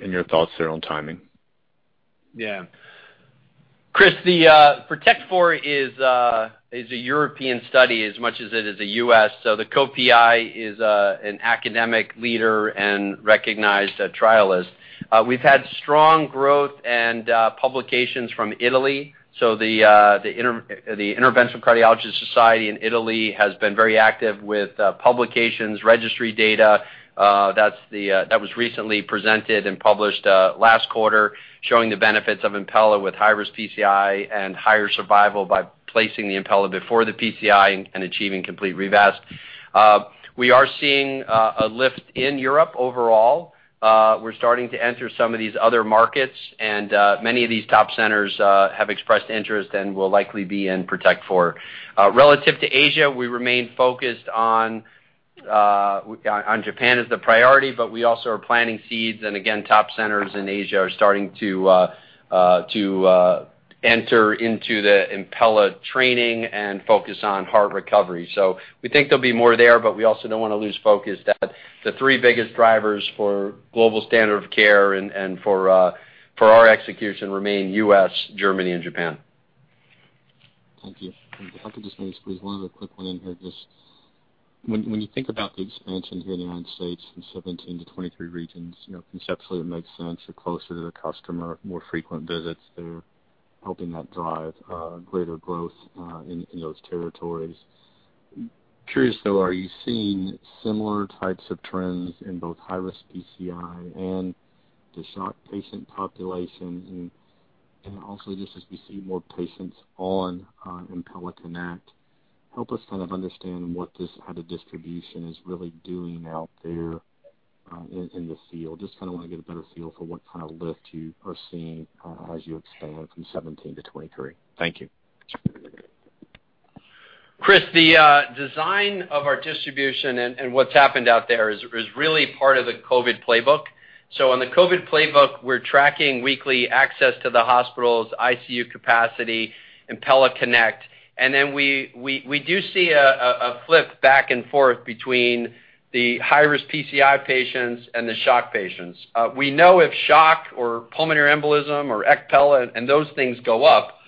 and your thoughts around timing. Chris, the PROTECT IV is a European study as much as it is a U.S., the co-PI is an academic leader and recognized trialist. We've had strong growth and publications from Italy. The Interventional Cardiology Society in Italy has been very active with publications, registry data. That was recently presented and published last quarter, showing the benefits of Impella with high-risk PCI and higher survival by placing the Impella before the PCI and achieving complete revasc. We are seeing a lift in Europe overall. We're starting to enter some of these other markets, and many of these top centers have expressed interest and will likely be in PROTECT IV. Relative to Asia, we remain focused on Japan as the priority, but we also are planting seeds, and again, top centers in Asia are starting to enter into the Impella training and focus on heart recovery. We think there'll be more there, but we also don't want to lose focus that the three biggest drivers for global standard of care and for our execution remain U.S., Germany, and Japan. Thank you. If I could just maybe squeeze one other quick one in here. Just when you think about the expansion here in the United States from 17 to 23 regions, conceptually it makes sense. You're closer to the customer, more frequent visits. They're helping that drive greater growth in those territories. Curious, though, are you seeing similar types of trends in both high-risk PCI and the shock patient population and also just as we see more patients on Impella Connect, help us understand how the distribution is really doing out there in the field? Just want to get a better feel for what kind of lift you are seeing as you expand from 17 to 23. Thank you. Chris, the design of our distribution and what's happened out there is really part of the COVID playbook. On the COVID playbook, we're tracking weekly access to the hospital's ICU capacity, Impella Connect, and then we do see a flip back and forth between the high-risk PCI patients and the shock patients. We know if shock or pulmonary embolism or ECPella and those things go up,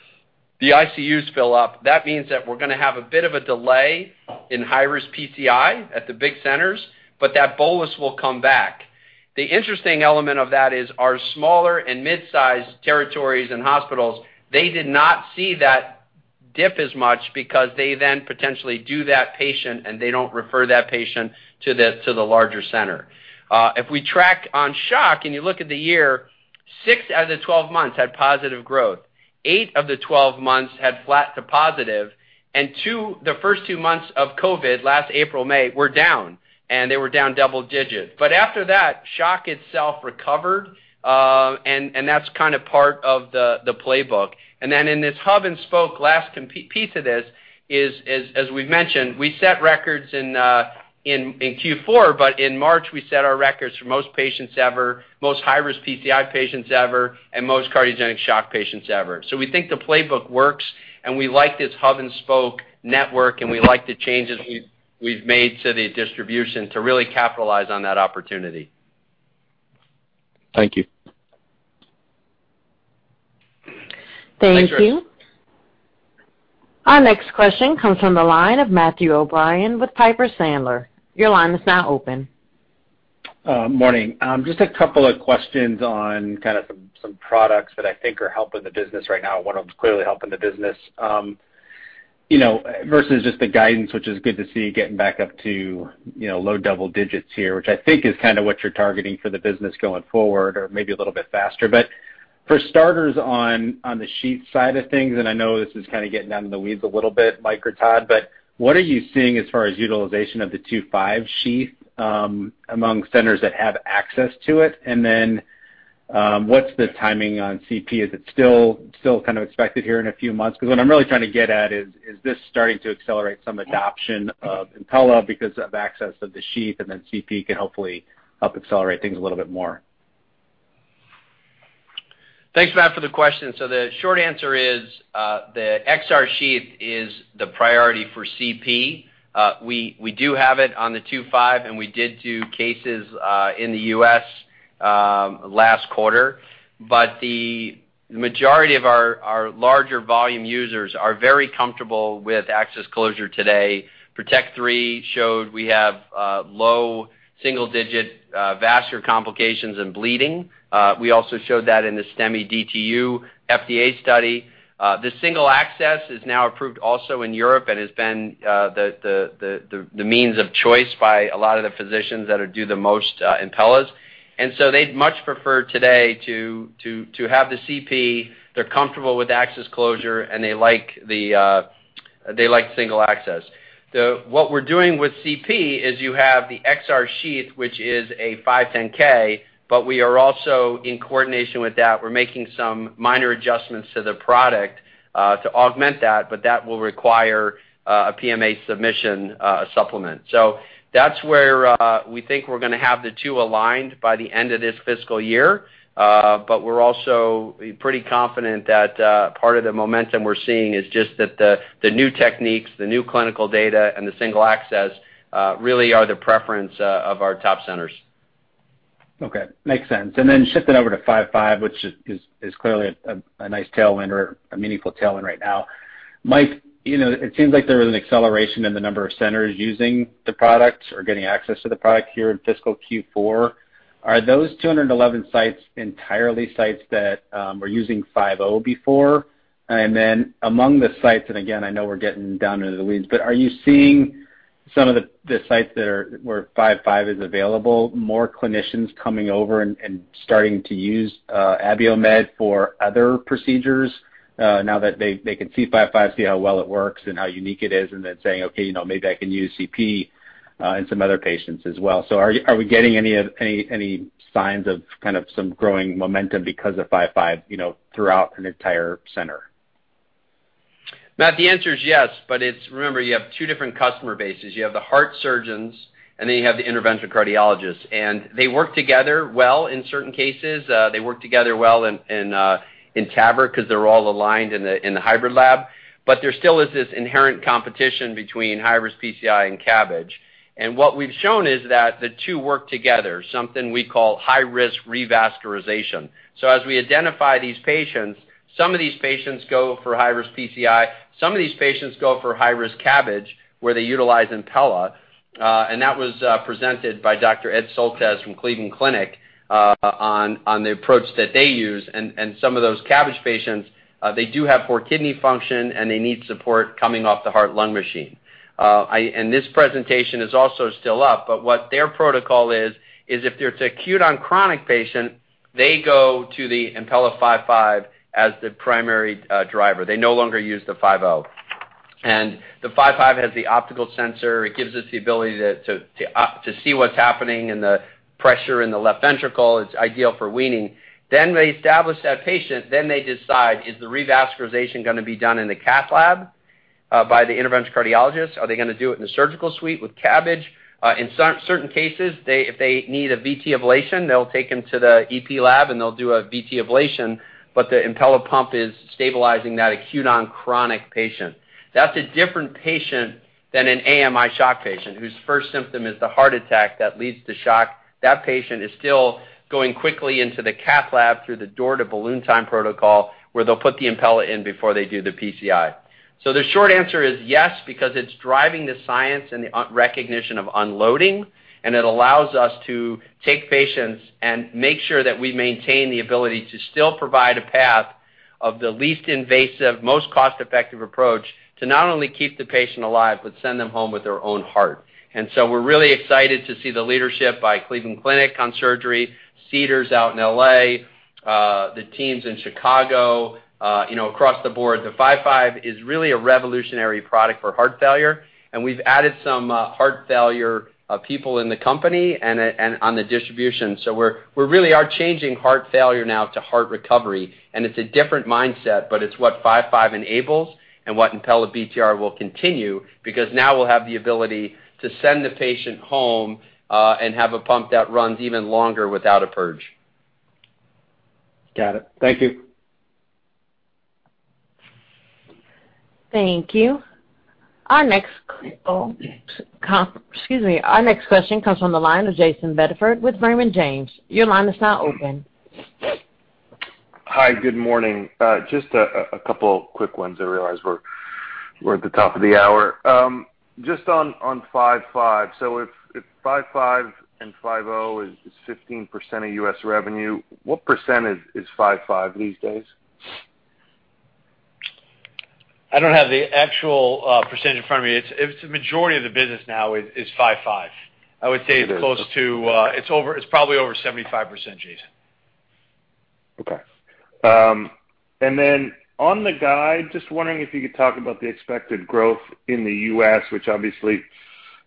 the ICUs fill up. That means that we're going to have a bit of a delay in high-risk PCI at the big centers, but that bolus will come back. The interesting element of that is our smaller and mid-size territories and hospitals, they did not see that dip as much because they then potentially do that patient, and they don't refer that patient to the larger center. If we track on shock and you look at the year, six out of the 12 months had positive growth. Eight of the 12 months had flat to positive, and the first two months of COVID, last April, May, were down, and they were down double digits. After that, shock itself recovered, and that's part of the playbook. In this hub-and-spoke last piece of this is, as we've mentioned, we set records in Q4, but in March, we set our records for most patients ever, most high-risk PCI patients ever, and most cardiogenic shock patients ever. We think the playbook works, and we like this hub-and-spoke network, and we like the changes we've made to the distribution to really capitalize on that opportunity. Thank you. Thank you. Our next question comes from the line of Matthew O'Brien with Piper Sandler. Your line is now open. Morning. Just a couple of questions on some products that I think are helping the business right now. One of them is clearly helping the business, versus just the guidance, which is good to see you getting back up to low double digits here, which I think is what you're targeting for the business going forward or maybe a little bit faster. For starters, on the sheath side of things, and I know this is getting down in the weeds a little bit, Mike or Todd, but what are you seeing as far as utilization of the 2.5 sheath among centers that have access to it? What's the timing on CP? Is it still expected here in a few months? What I'm really trying to get at is this starting to accelerate some adoption of Impella because of access of the sheath, and then CP can hopefully help accelerate things a little bit more? Thanks, Matt, for the question. The short answer is the XR Sheath is the priority for CP. We do have it on the 2.5, and we did do cases in the U.S. last quarter. The majority of our larger volume users are very comfortable with access closure today. PROTECT III showed we have low single-digit vascular complications and bleeding. We also showed that in the STEMI-DTU FDA study. The single access is now approved also in Europe and has been the means of choice by a lot of the physicians that do the most Impellas. They'd much prefer today to have the CP. They're comfortable with access closure, and they like single access. What we're doing with CP is you have the XR Sheath, which is a 510(k), but we are also in coordination with that. We're making some minor adjustments to the product to augment that. That will require a PMA submission supplement. That's where we think we're going to have the two aligned by the end of this fiscal year. We're also pretty confident that part of the momentum we're seeing is just that the new techniques, the new clinical data, and the single access really are the preference of our top centers. Okay. Makes sense. Shifting over to 5.5, which is clearly a nice tailwind or a meaningful tailwind right now. Mike, it seems like there was an acceleration in the number of centers using the product or getting access to the product here in fiscal Q4. Are those 211 sites entirely sites that were using 5.0 before? Among the sites, and again, I know we're getting down into the weeds, but are you seeing some of the sites where 5.5 is available, more clinicians coming over and starting to use Abiomed for other procedures now that they can see 5.5, see how well it works and how unique it is, then saying, "Okay, maybe I can use CP in some other patients as well"? Are we getting any signs of some growing momentum because of 5.5 throughout an entire center? Matt, the answer is yes, remember, you have two different customer bases. You have the heart surgeons, and then you have the interventional cardiologists. They work together well in certain cases. They work together well in TAVR because they're all aligned in the hybrid lab. There still is this inherent competition between high-risk PCI and CABG. What we've shown is that the two work together, something we call high-risk revascularization. As we identify these patients, some of these patients go for high-risk PCI, some of these patients go for high-risk CABG, where they utilize Impella. That was presented by Dr. Ed Soltesz from Cleveland Clinic on the approach that they use. Some of those CABG patients, they do have poor kidney function, and they need support coming off the heart-lung machine. This presentation is also still up, but what their protocol is, if it's an acute on chronic patient, they go to the Impella 5.5 as the primary driver. They no longer use the 5.0. The 5.5 has the optical sensor. It gives us the ability to see what's happening in the pressure in the left ventricle. It's ideal for weaning. They establish that patient, then they decide, is the revascularization going to be done in the cath lab by the interventional cardiologist? Are they going to do it in the surgical suite with CABG? In certain cases, if they need a VT ablation, they'll take them to the EP lab, and they'll do a VT ablation. The Impella pump is stabilizing that acute on chronic patient. That's a different patient than an AMI shock patient whose first symptom is the heart attack that leads to shock. That patient is still going quickly into the cath lab through the door to balloon time protocol, where they'll put the Impella in before they do the PCI. The short answer is yes, because it's driving the science and the recognition of unloading, and it allows us to take patients and make sure that we maintain the ability to still provide a path of the least invasive, most cost-effective approach to not only keep the patient alive, but send them home with their own heart. We're really excited to see the leadership by Cleveland Clinic on surgery, Cedars out in L.A., the teams in Chicago, across the board. The 5.5 is really a revolutionary product for heart failure, and we've added some heart failure people in the company and on the distribution. We really are changing heart failure now to heart recovery, and it's a different mindset, but it's what 5.5 enables and what Impella BTR will continue, because now we'll have the ability to send the patient home and have a pump that runs even longer without a purge. Got it. Thank you. Thank you. Our next question comes from the line of Jayson Bedford with Raymond James. Your line is now open. Hi. Good morning. Just a couple quick ones. I realize we're at the top of the hour. Just on 5.5, so if 5.5 and 5.0 is 15% of U.S. revenue, what percent is 5.5 these days? I don't have the actual percentage in front of me. It's the majority of the business now is 5.5. I would say it's probably over 75%, Jayson. Okay. On the guide, just wondering if you could talk about the expected growth in the U.S., which obviously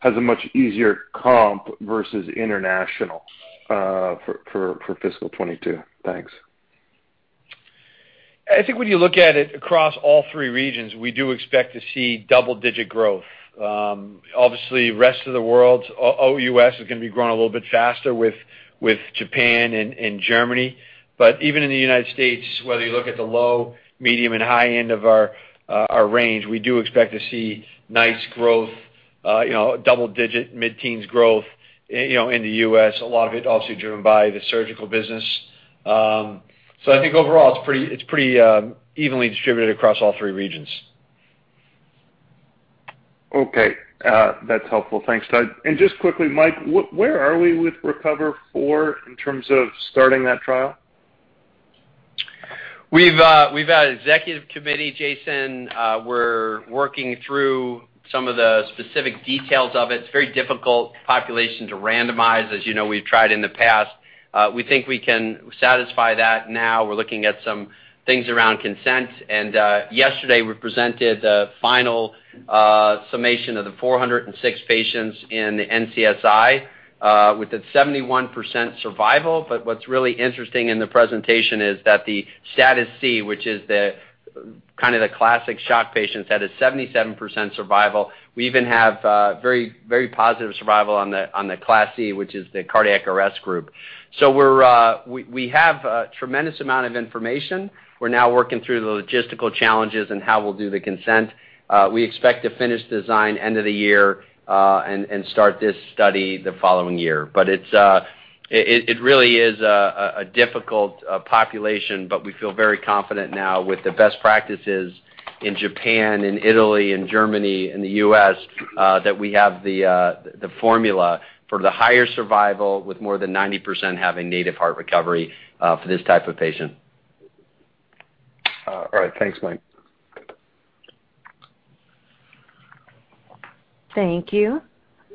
has a much easier comp versus international for fiscal 2022. Thanks. I think when you look at it across all three regions, we do expect to see double-digit growth. Obviously, rest of the world, OUS, is going to be growing a little bit faster with Japan and Germany. Even in the United States, whether you look at the low, medium, and high end of our range, we do expect to see nice growth, double-digit, mid-teens growth in the U.S., a lot of it also driven by the surgical business. I think overall, it's pretty evenly distributed across all three regions. Okay. That's helpful. Thanks, Todd. Just quickly, Mike, where are we with RECOVER IV in terms of starting that trial? We've had executive committee, Jayson. We're working through some of the specific details of it. It's a very difficult population to randomize. As you know, we've tried in the past. We think we can satisfy that now. We're looking at some things around consent. Yesterday we presented the final summation of the 406 patients in the NCSI, with a 71% survival. What's really interesting in the presentation is that the status C, which is kind of the classic shock patients, had a 77% survival. We even have very positive survival on the Class C, which is the cardiac arrest group. We have a tremendous amount of information. We're now working through the logistical challenges and how we'll do the consent. We expect to finish design end of the year and start this study the following year. It really is a difficult population, but we feel very confident now with the best practices in Japan and Italy and Germany and the U.S. that we have the formula for the higher survival with more than 90% having native heart recovery for this type of patient. All right. Thanks, Mike. Thank you.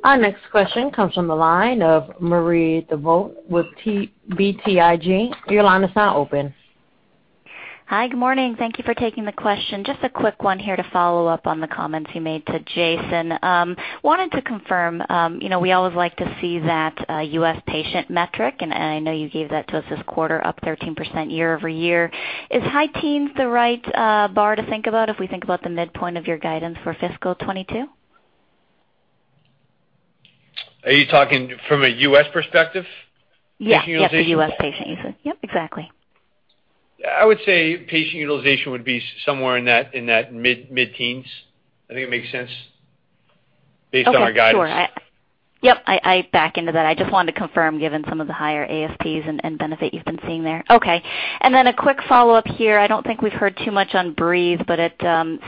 Our next question comes from the line of Marie Thibault with BTIG. Your line is now open. Hi. Good morning. Thank you for taking the question. Just a quick one here to follow up on the comments you made to Jayson. Wanted to confirm, we always like to see that U.S. patient metric, and I know you gave that to us this quarter, up 13% year-over-year. Is high teens the right bar to think about if we think about the midpoint of your guidance for fiscal 2022? Are you talking from a U.S. perspective? Yeah. Patient utilization? The U.S. patient, you said. Yep, exactly. I would say patient utilization would be somewhere in that mid-teens. I think it makes sense based on our guidance. Okay. Sure. Yep, I back into that. I just wanted to confirm given some of the higher ASPs and benefit you've been seeing there. A quick follow-up here. I don't think we've heard too much on Breethe, but it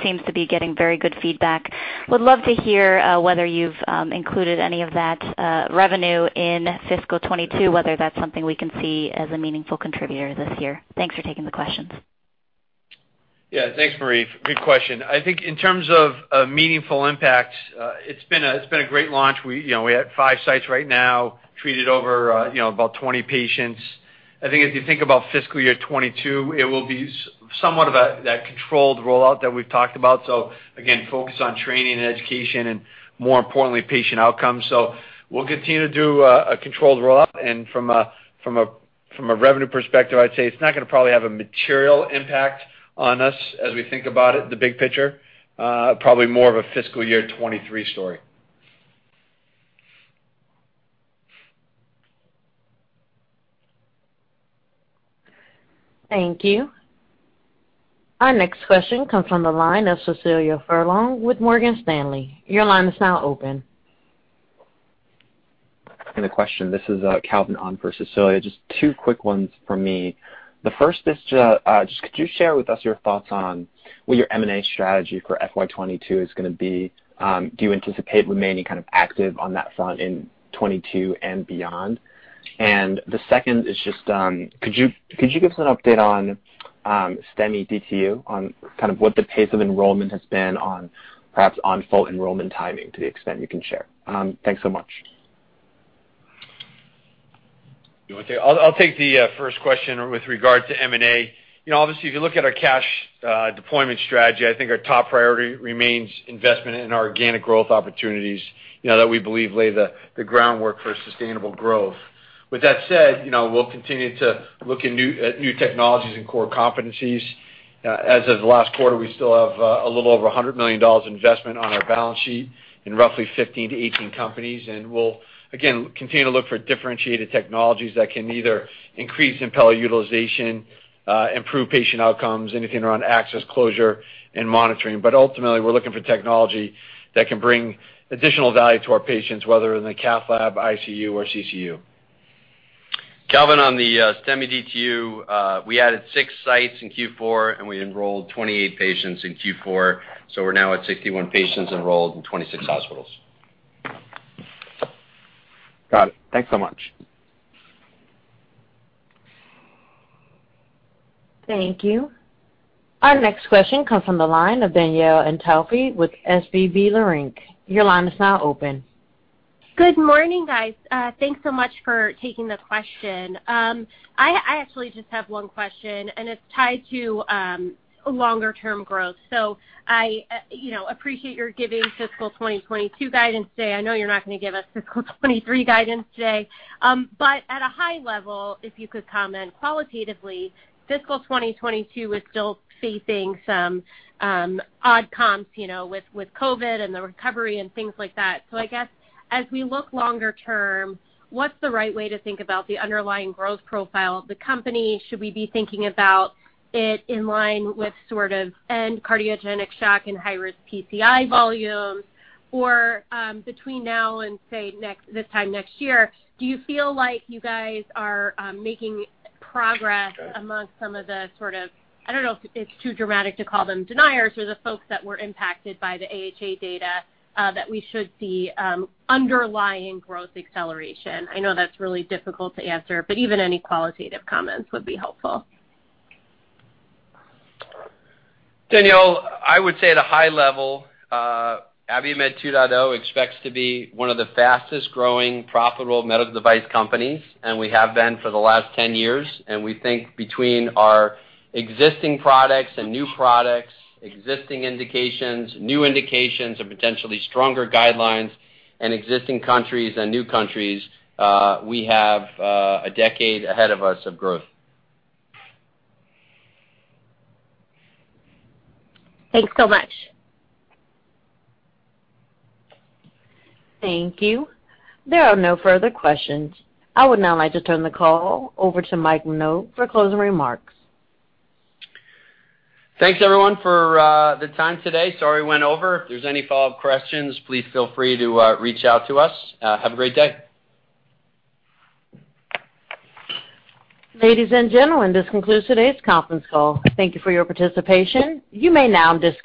seems to be getting very good feedback. Would love to hear whether you've included any of that revenue in fiscal 2022, whether that's something we can see as a meaningful contributor this year. Thanks for taking the questions. Yeah. Thanks, Marie Thibault, good question. I think in terms of meaningful impact, it's been a great launch. We're at five sites right now, treated over about 20 patients. I think if you think about fiscal year 2022, it will be somewhat of that controlled rollout that we've talked about. Again, focus on training and education and more importantly, patient outcomes. We'll continue to do a controlled rollout. From a revenue perspective, I'd say it's not going to probably have a material impact on us as we think about it, the big picture. Probably more of a fiscal year 2023 story. Thank you. Our next question comes from the line of Cecilia Furlong with Morgan Stanley. Your line is now open. Thanks for taking the question. This is Calvin on for Cecilia. Just two quick ones for me. The first is just could you share with us your thoughts on what your M&A strategy for FY 2022 is going to be? Do you anticipate remaining kind of active on that front in 2022 and beyond? The second is just, could you give us an update on STEMI-DTU on kind of what the pace of enrollment has been on perhaps on full enrollment timing to the extent you can share? Thanks so much. I'll take the first question with regard to M&A. Obviously, if you look at our cash deployment strategy, I think our top priority remains investment in our organic growth opportunities that we believe lay the groundwork for sustainable growth. With that said, we'll continue to look at new technologies and core competencies. As of the last quarter, we still have a little over $100 million investment on our balance sheet in roughly 15-18 companies. We'll again, continue to look for differentiated technologies that can either increase Impella utilization, improve patient outcomes, anything around access closure and monitoring. Ultimately, we're looking for technology that can bring additional value to our patients, whether in the cath lab, ICU, or CCU. Calvin, on the STEMI-DTU, we added six sites in Q4. We enrolled 28 patients in Q4. We're now at 61 patients enrolled in 26 hospitals. Got it. Thanks so much. Thank you. Our next question comes from the line of Danielle Antalffy with SVB Leerink. Your line is now open. Good morning, guys. Thanks so much for taking the question. I actually just have one question, and it's tied to longer-term growth. I appreciate your giving fiscal 2022 guidance today. I know you're not going to give us fiscal 2023 guidance today. At a high level, if you could comment qualitatively, fiscal 2022 is still facing some odd comps with COVID and the recovery and things like that. I guess as we look longer term, what's the right way to think about the underlying growth profile of the company? Should we be thinking about it in line with sort of end cardiogenic shock and high-risk PCI volumes? Or between now and, say, this time next year, do you feel like you guys are making progress amongst some of the sort of, I don't know if it's too dramatic to call them deniers or the folks that were impacted by the AHA data, that we should see underlying growth acceleration? I know that's really difficult to answer, but even any qualitative comments would be helpful. Danielle, I would say at a high level, Abiomed 2.0 expects to be one of the fastest-growing profitable medical device companies, and we have been for the last 10 years. We think between our existing products and new products, existing indications, new indications and potentially stronger guidelines in existing countries and new countries, we have a decade ahead of us of growth. Thanks so much. Thank you. There are no further questions. I would now like to turn the call over to Mike Minogue for closing remarks. Thanks, everyone, for the time today. Sorry, we went over. If there is any follow-up questions, please feel free to reach out to us. Have a great day. Ladies and gentlemen, this concludes today's conference call. Thank you for your participation. You may now disconnect.